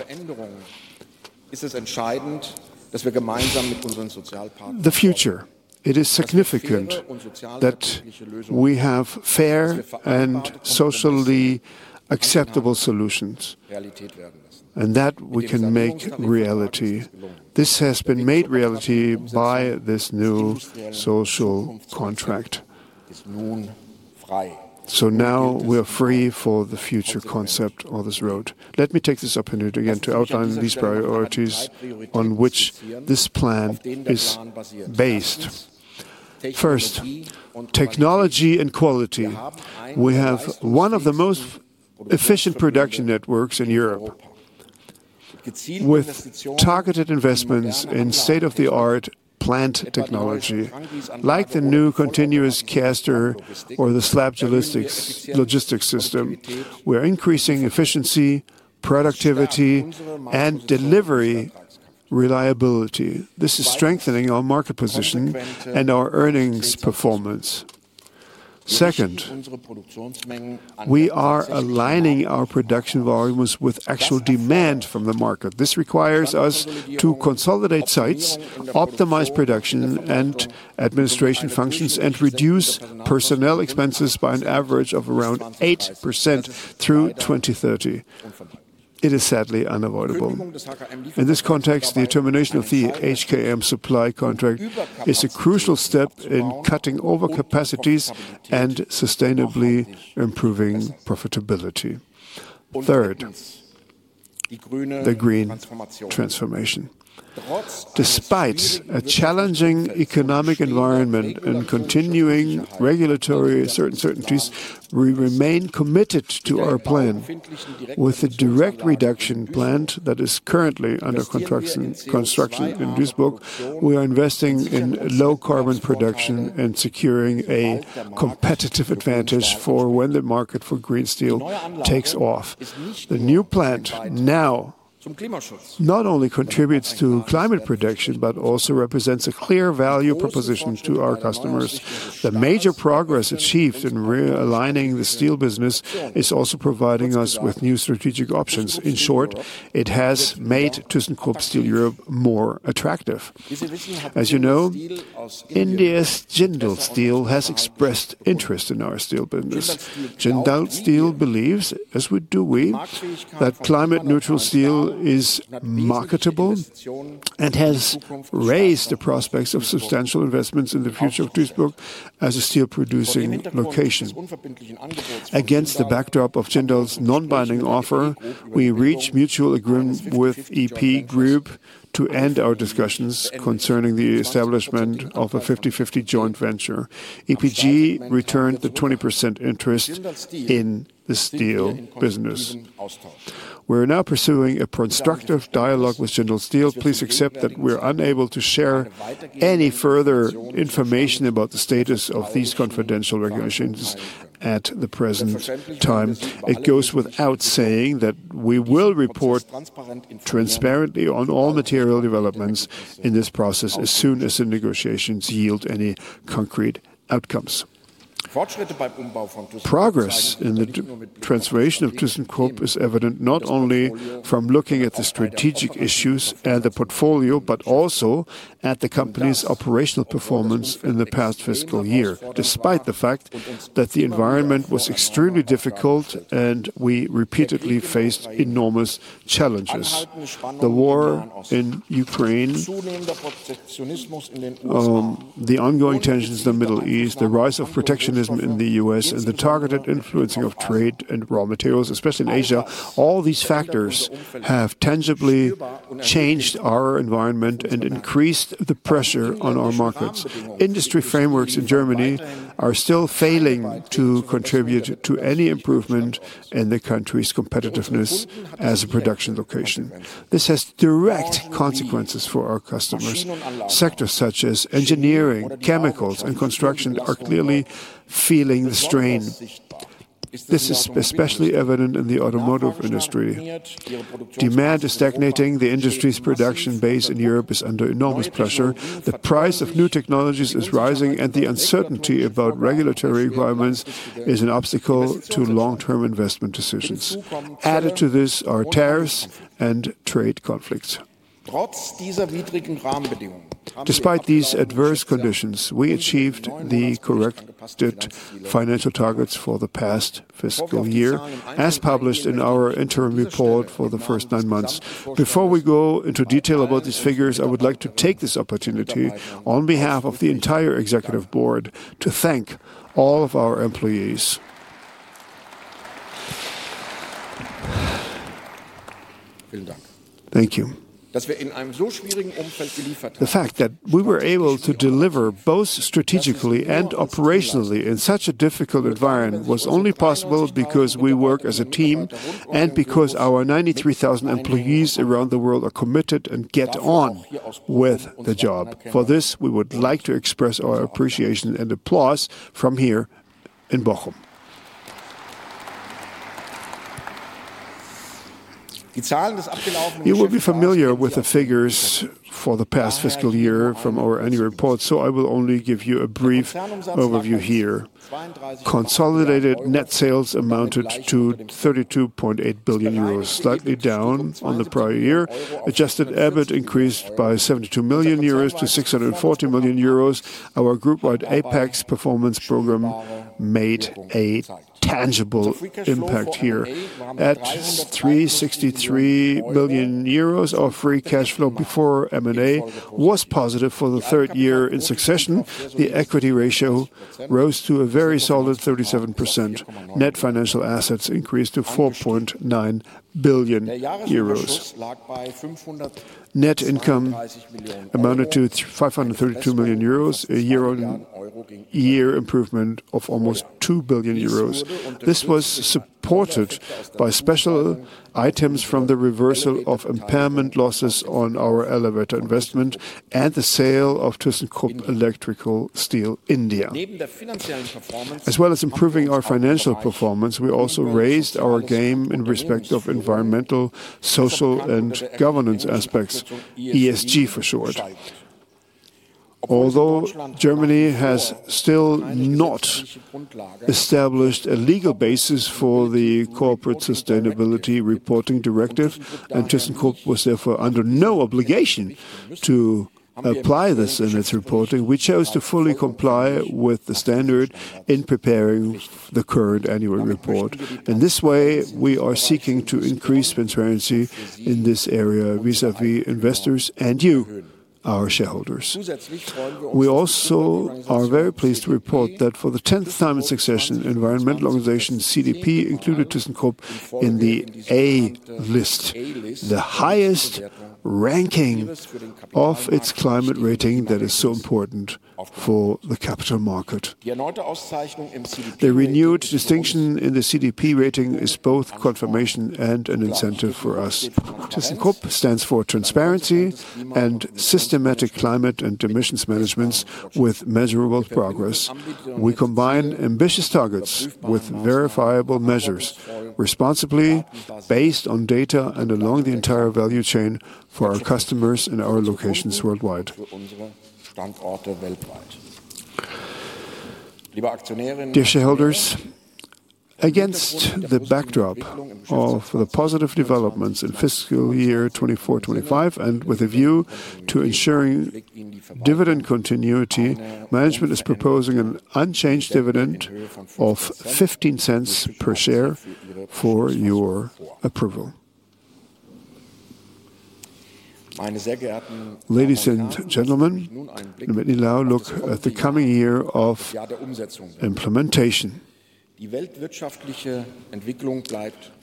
the future. It is significant that we have fair and socially acceptable solutions, and that we can make reality. This has been made reality by this new social contract. Now we are free for the future concept of the roadmap. Let me take this opportunity again to outline these priorities on which this plan is based. First, technology and quality. We have one of the most efficient production networks in Europe. With targeted investments in state-of-the-art plant technology, like the new continuous caster or the slab logistics system, we're increasing efficiency, productivity, and delivery reliability. This is strengthening our market position and our earnings performance. Second, we are aligning our production volumes with actual demand from the market. This requires us to consolidate sites, optimize production and administration functions, and reduce personnel expenses by an average of around 8% through 2030. It is sadly unavoidable. In this context, the termination of the HKM supply contract is a crucial step in cutting overcapacities and sustainably improving profitability. Third, the green transformation. Despite a challenging economic environment and continuing regulatory uncertainties, we remain committed to our plan. With a direct reduction plant that is currently under construction in Duisburg, we are investing in low-carbon production and securing a competitive advantage for when the market for green steel takes off. The new plant now not only contributes to climate protection but also represents a clear value proposition to our customers. The major progress achieved in realigning the Steel business is also providing us with new strategic options. In short, it has made thyssenkrupp Steel Europe more attractive. As you know, India's Jindal Steel has expressed interest in our Steel business. Jindal Steel believes, as do we, that climate-neutral steel is marketable and has raised the prospects of substantial investments in the future of Duisburg as a steel-producing location. Against the backdrop of Jindal's non-binding offer, we reached mutual agreement with EP Group to end our discussions concerning the establishment of a 50/50 joint venture. EP Group returned the 20% interest in the Steel business. We're now pursuing a constructive dialogue with Jindal Steel. Please accept that we're unable to share any further information about the status of these confidential negotiations at the present time. It goes without saying that we will report transparently on all material developments in this process as soon as the negotiations yield any concrete outcomes. Progress in the transformation of thyssenkrupp is evident not only from looking at the strategic issues and the portfolio, but also at the company's operational performance in the past fiscal year, despite the fact that the environment was extremely difficult and we repeatedly faced enormous challenges. The war in Ukraine, the ongoing tensions in the Middle East, the rise of protectionism in the U.S., and the targeted influencing of trade and raw materials, especially in Asia. All these factors have tangibly changed our environment and increased the pressure on our markets. Industry frameworks in Germany are still failing to contribute to any improvement in the country's competitiveness as a production location. This has direct consequences for our customers. Sectors such as engineering, chemicals, and construction are clearly feeling the strain. This is especially evident in the automotive industry. Demand is stagnating. The industry's production base in Europe is under enormous pressure. The price of new technologies is rising, and the uncertainty about regulatory requirements is an obstacle to long-term investment decisions. Added to this are tariffs and trade conflicts. Despite these adverse conditions, we achieved the corrected financial targets for the past fiscal year, as published in our interim report for the first nine months. Before we go into detail about these figures, I would like to take this opportunity, on behalf of the entire executive board, to thank all of our employees. Thank you. The fact that we were able to deliver both strategically and operationally in such a difficult environment was only possible because we work as a team and because our 93,000 employees around the world are committed and get on with the job. For this, we would like to express our appreciation and applause from here in Bochum. You will be familiar with the figures for the past fiscal year from our annual report, so I will only give you a brief overview here. Consolidated net sales amounted to 32.8 billion euros, slightly down on the prior year. Adjusted EBIT increased by 72 million-640 million euros. Our group-wide APEX performance program made a tangible impact here. At 363 million euros, our free cash flow before M&A was positive for the third year in succession. The equity ratio rose to a very solid 37%. Net financial assets increased to 4.9 billion euros. Net income amounted to 532 million euros, a year-over-year improvement of almost 2 billion euros. This was supported by special items from the reversal of impairment losses on our elevator investment and the sale of thyssenkrupp Electrical Steel India. As well as improving our financial performance, we also raised our game in respect of environmental, social, and governance aspects, ESG for short. Although Germany has still not established a legal basis for the Corporate Sustainability Reporting Directive, and thyssenkrupp was therefore under no obligation to apply this in its reporting, we chose to fully comply with the standard in preparing the current annual report. In this way, we are seeking to increase transparency in this area vis-à-vis investors and you, our shareholders. We also are very pleased to report that for the 10th time in succession, environmental organization CDP included thyssenkrupp in the A list, the highest ranking of its climate rating that is so important for the capital market. The renewed distinction in the CDP rating is both confirmation and an incentive for us. thyssenkrupp stands for transparency and systematic climate and emissions management with measurable progress. We combine ambitious targets with verifiable measures, responsibly based on data and along the entire value chain for our customers in our locations worldwide. Dear shareholders, against the backdrop of the positive developments in fiscal year 2024/2025, and with a view to ensuring dividend continuity, management is proposing an unchanged dividend of 0.15 per share for your approval. Ladies and gentlemen, let me now look at the coming year of implementation.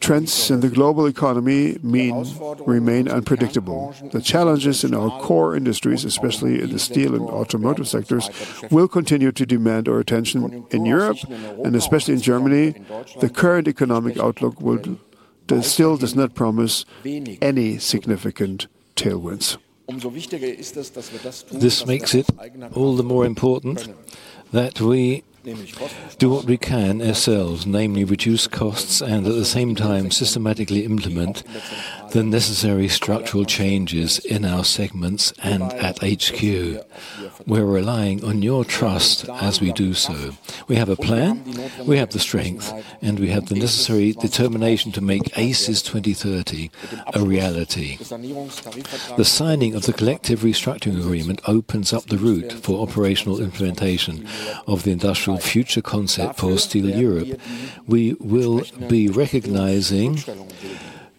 Trends in the global economy remain unpredictable. The challenges in our core industries, especially in the Steel and automotive sectors, will continue to demand our attention in Europe and especially in Germany. The current economic outlook still does not promise any significant tailwinds. This makes it all the more important that we do what we can ourselves, namely reduce costs and at the same time, systematically implement the necessary structural changes in our segments and at HQ. We're relying on your trust as we do so. We have a plan, we have the strength, and we have the necessary determination to make ACES 2030 a reality. The signing of the collective restructuring agreement opens up the route for operational implementation of the industrial future concept for Steel Europe. We will be recognizing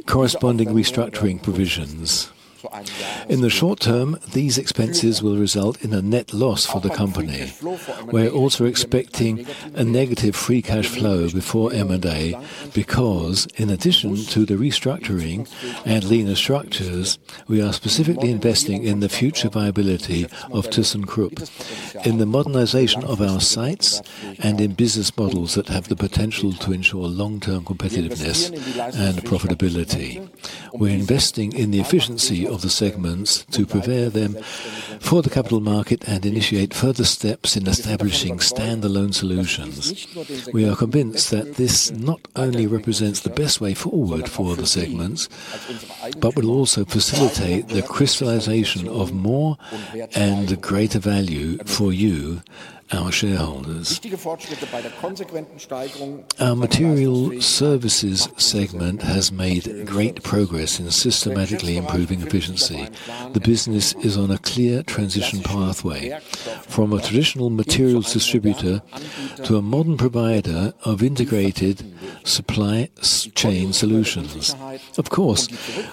corresponding restructuring provisions. In the short term, these expenses will result in a net loss for the company. We're also expecting a negative free cash flow before M&A, because in addition to the restructuring and leaner structures, we are specifically investing in the future viability of thyssenkrupp, in the modernization of our sites, and in business models that have the potential to ensure long-term competitiveness and profitability. We're investing in the efficiency of the segments to prepare them for the capital market and initiate further steps in establishing standalone solutions. We are convinced that this not only represents the best way forward for the segments, but will also facilitate the crystallization of more and greater value for you, our shareholders. Our Materials Services segment has made great progress in systematically improving efficiency. The business is on a clear transition pathway from a traditional materials distributor to a modern provider of integrated supply chain solutions. Of course,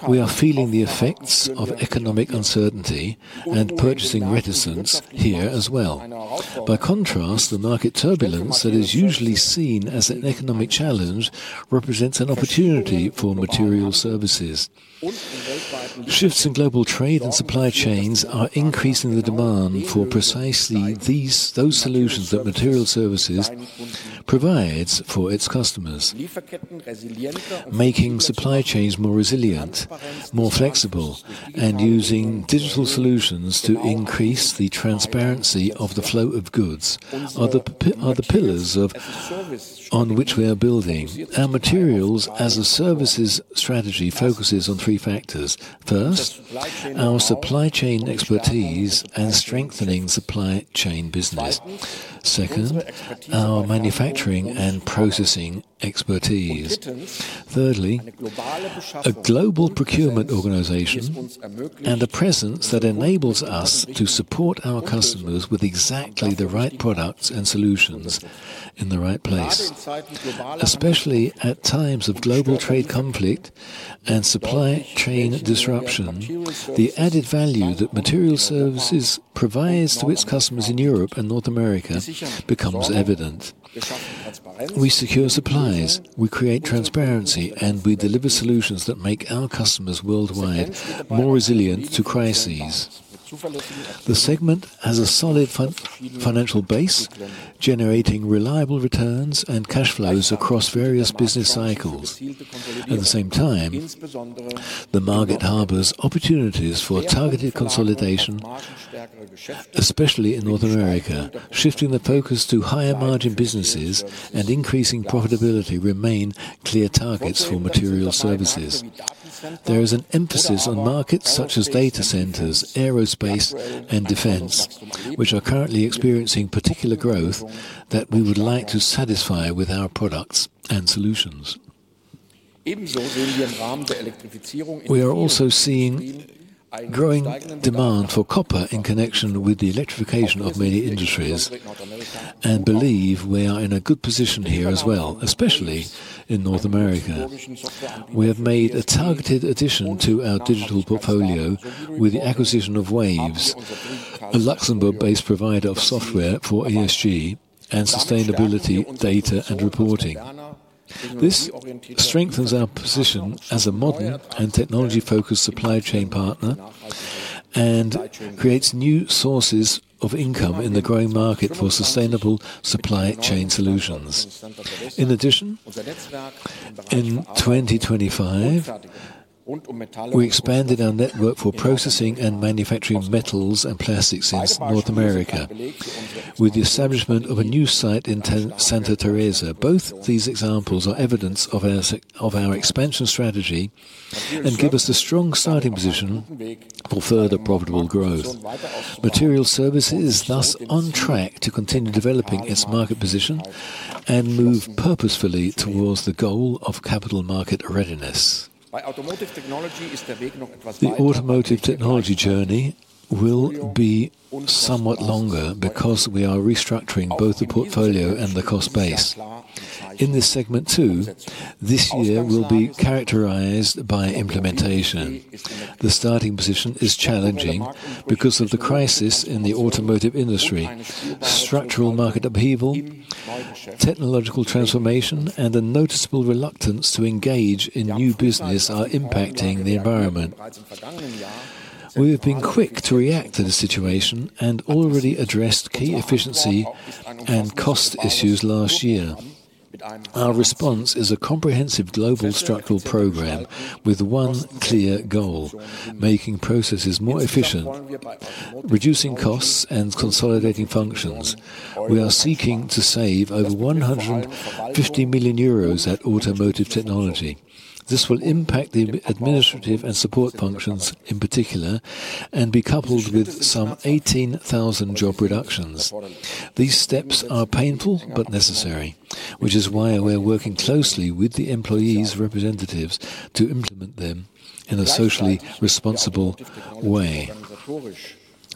we are feeling the effects of economic uncertainty and purchasing reticence here as well. By contrast, the market turbulence that is usually seen as an economic challenge represents an opportunity for Materials Services. Shifts in global trade and supply chains are increasing the demand for precisely those solutions that Materials Services provides for its customers. Making supply chains more resilient, more flexible, and using digital solutions to increase the transparency of the flow of goods are the pillars on which we are building. Our Materials Services strategy focuses on three factors. First, our supply chain expertise and strengthening supply chain business. Second, our manufacturing and processing expertise. Thirdly, a global procurement organization and a presence that enables us to support our customers with exactly the right products and solutions in the right place. Especially at times of global trade conflict and supply chain disruption, the added value that Materials Services provides to its customers in Europe and North America becomes evident. We secure supplies, we create transparency, and we deliver solutions that make our customers worldwide more resilient to crises. The segment has a solid financial base, generating reliable returns and cash flows across various business cycles. At the same time, the market harbors opportunities for targeted consolidation Especially in North America, shifting the focus to higher margin businesses and increasing profitability remain clear targets for Materials Services. There is an emphasis on markets such as data centers, aerospace, and defense, which are currently experiencing particular growth that we would like to satisfy with our products and solutions. We are also seeing growing demand for copper in connection with the electrification of many industries, and believe we are in a good position here as well, especially in North America. We have made a targeted addition to our digital portfolio with the acquisition of WAVES, a Luxembourg-based provider of software for ESG and sustainability data and reporting. This strengthens our position as a modern and technology-focused supply chain partner and creates new sources of income in the growing market for sustainable supply chain solutions. In addition, in 2025, we expanded our network for processing and manufacturing metals and plastics in North America with the establishment of a new site in Santa Teresa. Both these examples are evidence of our expansion strategy and give us a strong starting position for further profitable growth. Materials Services is thus on track to continue developing its market position and move purposefully towards the goal of capital market readiness. The Automotive Technology journey will be somewhat longer because we are restructuring both the portfolio and the cost base. In this segment, too, this year will be characterized by implementation. The starting position is challenging because of the crisis in the automotive industry. Structural market upheaval, technological transformation, and a noticeable reluctance to engage in new business are impacting the environment. We have been quick to react to the situation and already addressed key efficiency and cost issues last year. Our response is a comprehensive global structural program with one clear goal, making processes more efficient, reducing costs, and consolidating functions. We are seeking to save over 150 million euros at Automotive Technology. This will impact the administrative and support functions in particular and be coupled with some 18,000 job reductions. These steps are painful but necessary, which is why we're working closely with the employees' representatives to implement them in a socially responsible way.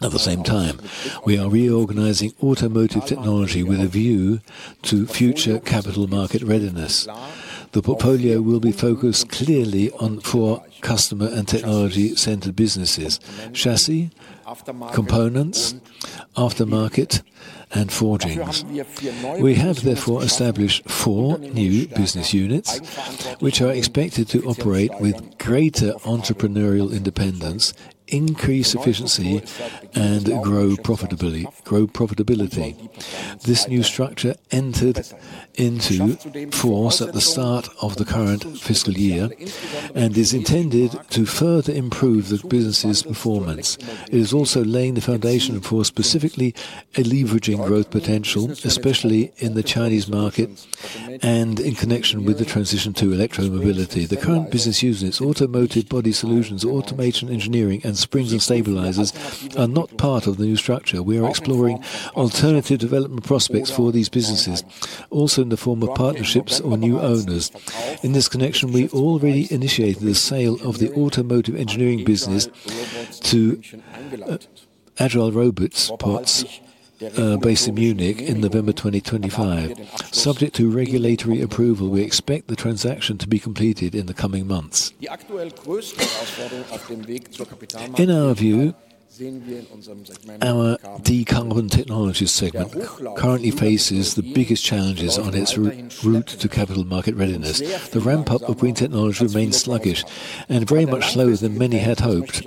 At the same time, we are reorganizing Automotive Technology with a view to future capital market readiness. The portfolio will be focused clearly on four customer and technology-centered businesses, chassis, components, aftermarket, and forgings. We have therefore established four new business units, which are expected to operate with greater entrepreneurial independence, increase efficiency, and grow profitability. This new structure entered into force at the start of the current fiscal year and is intended to further improve the business's performance. It is also laying the foundation for specifically leveraging growth potential, especially in the Chinese market and in connection with the transition to electromobility. The current business units, Automotive Body Solutions, Automation Engineering, and Springs and Stabilizers, are not part of the new structure. We are exploring alternative development prospects for these businesses, also in the form of partnerships or new owners. In this connection, we already initiated the sale of the Automation Engineering business to Agile Robots, based in Munich in November 2025. Subject to regulatory approval, we expect the transaction to be completed in the coming months. In our view, our Decarbon Technologies segment currently faces the biggest challenges on its route to capital market readiness. The ramp-up of green technology remains sluggish and very much slower than many had hoped.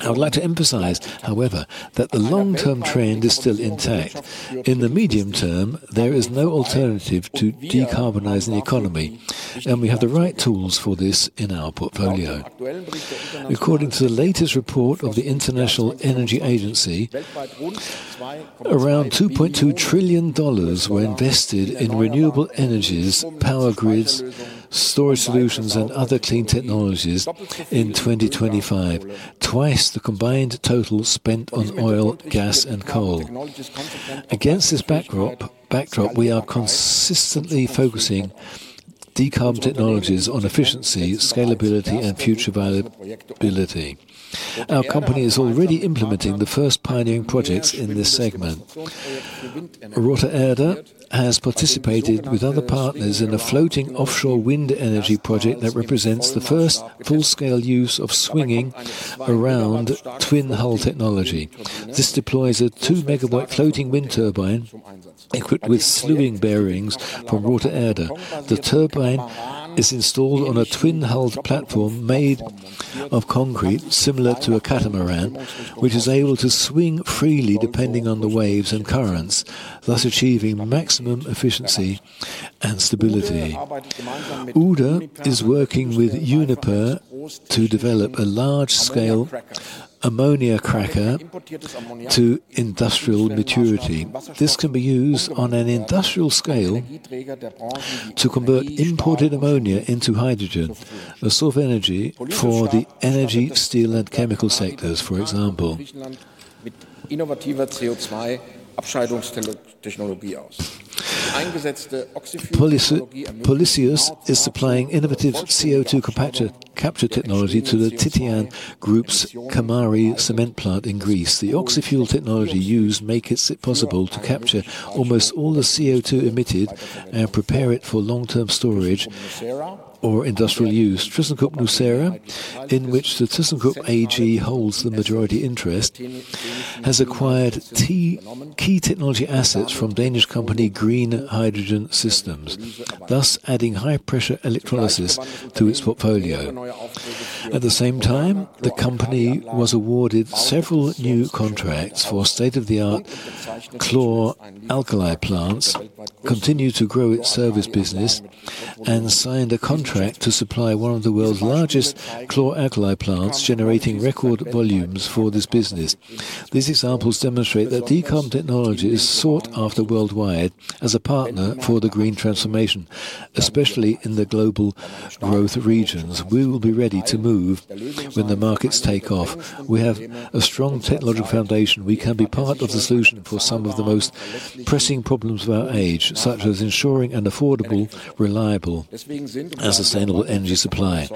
I would like to emphasize, however, that the long-term trend is still intact. In the medium term, there is no alternative to decarbonizing the economy, and we have the right tools for this in our portfolio. According to the latest report of the International Energy Agency, around $2.2 trillion were invested in renewable energies, power grids, storage solutions, and other clean technologies in 2025, twice the combined total spent on oil, gas, and coal. Against this backdrop, we are consistently focusing decarb technologies on efficiency, scalability, and future viability. Our company is already implementing the first pioneering projects in this segment. Rothe Erde has participated with other partners in a floating offshore wind energy project that represents the first full-scale use of Swinging Around Twin Hull technology. This deploys a 2 MW floating wind turbine equipped with slewing bearings from Rothe Erde. The turbine is installed on a twin-hulled platform made of concrete similar to a catamaran, which is able to swing freely depending on the waves and currents, thus achieving maximum efficiency and stability. Uhde is working with Uniper to develop a large-scale ammonia cracker to industrial maturity. This can be used on an industrial scale to convert imported ammonia into hydrogen, a source of energy for the energy, steel, and chemical sectors, for example. Polysius is supplying innovative CO2 capture technology to the Titan Group's Kamari cement plant in Greece. The oxy-fuel technology used makes it possible to capture almost all the CO2 emitted and prepare it for long-term storage or industrial use. thyssenkrupp nucera, in which thyssenkrupp AG holds the majority interest, has acquired key technology assets from Danish company Green Hydrogen Systems, thus adding high-pressure electrolysis to its portfolio. At the same time, the company was awarded several new contracts for state-of-the-art chloralkali plants, continued to grow its service business, and signed a contract to supply one of the world's largest chloralkali plants, generating record volumes for this business. These examples demonstrate that thyssenkrupp Decarbon Technologies is sought after worldwide as a partner for the green transformation, especially in the global growth regions. We will be ready to move when the markets take off. We have a strong technological foundation. We can be part of the solution for some of the most pressing problems of our age, such as ensuring an affordable, reliable, and sustainable energy supply.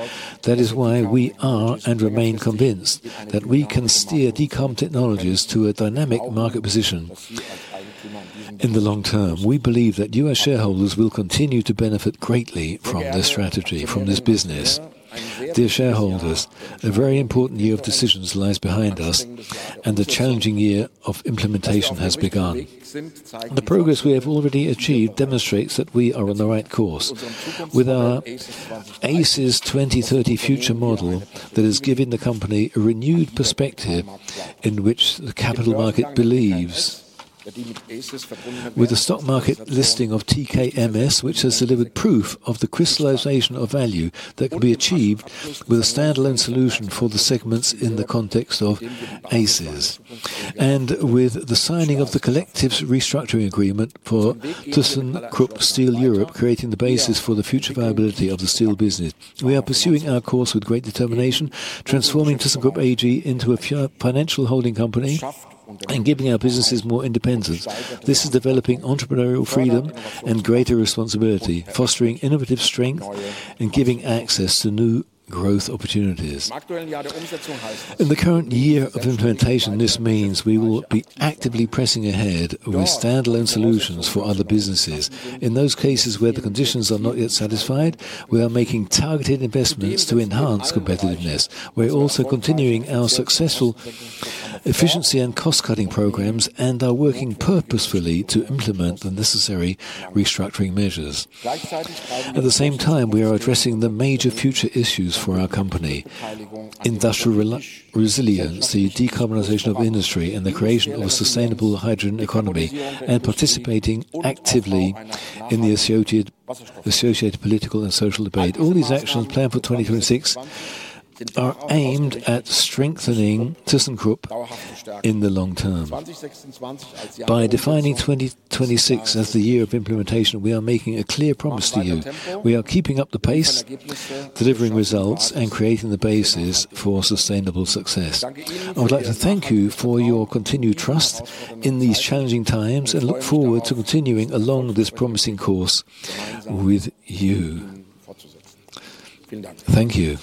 That is why we are, and remain convinced, that we can steer Decarbon Technologies to a dynamic market position in the long term. We believe that you, our shareholders, will continue to benefit greatly from this strategy, from this business. Dear shareholders, a very important year of decisions lies behind us, and a challenging year of implementation has begun. The progress we have already achieved demonstrates that we are on the right course. With our ACES 2030 future model that has given the company a renewed perspective in which the capital market believes. With the stock market listing of TKMS, which has delivered proof of the crystallization of value that can be achieved with a standalone solution for the segments in the context of ACES. With the signing of the collective restructuring agreement for thyssenkrupp Steel Europe, creating the basis for the future viability of the Steel business. We are pursuing our course with great determination, transforming thyssenkrupp AG into a financial holding company and giving our businesses more independence. This is developing entrepreneurial freedom and greater responsibility, fostering innovative strength, and giving access to new growth opportunities. In the current year of implementation, this means we will be actively pressing ahead with standalone solutions for other businesses. In those cases where the conditions are not yet satisfied, we are making targeted investments to enhance competitiveness. We're also continuing our successful efficiency and cost-cutting programs and are working purposefully to implement the necessary restructuring measures. At the same time, we are addressing the major future issues for our company, industrial resilience, the decarbonization of industry, and the creation of a sustainable hydrogen economy, and participating actively in the associated political and social debate. All these actions planned for 2026 are aimed at strengthening thyssenkrupp in the long term. By defining 2026 as the year of implementation, we are making a clear promise to you. We are keeping up the pace, delivering results, and creating the basis for sustainable success. I would like to thank you for your continued trust in these challenging times and look forward to continuing along this promising course with you. Thank you.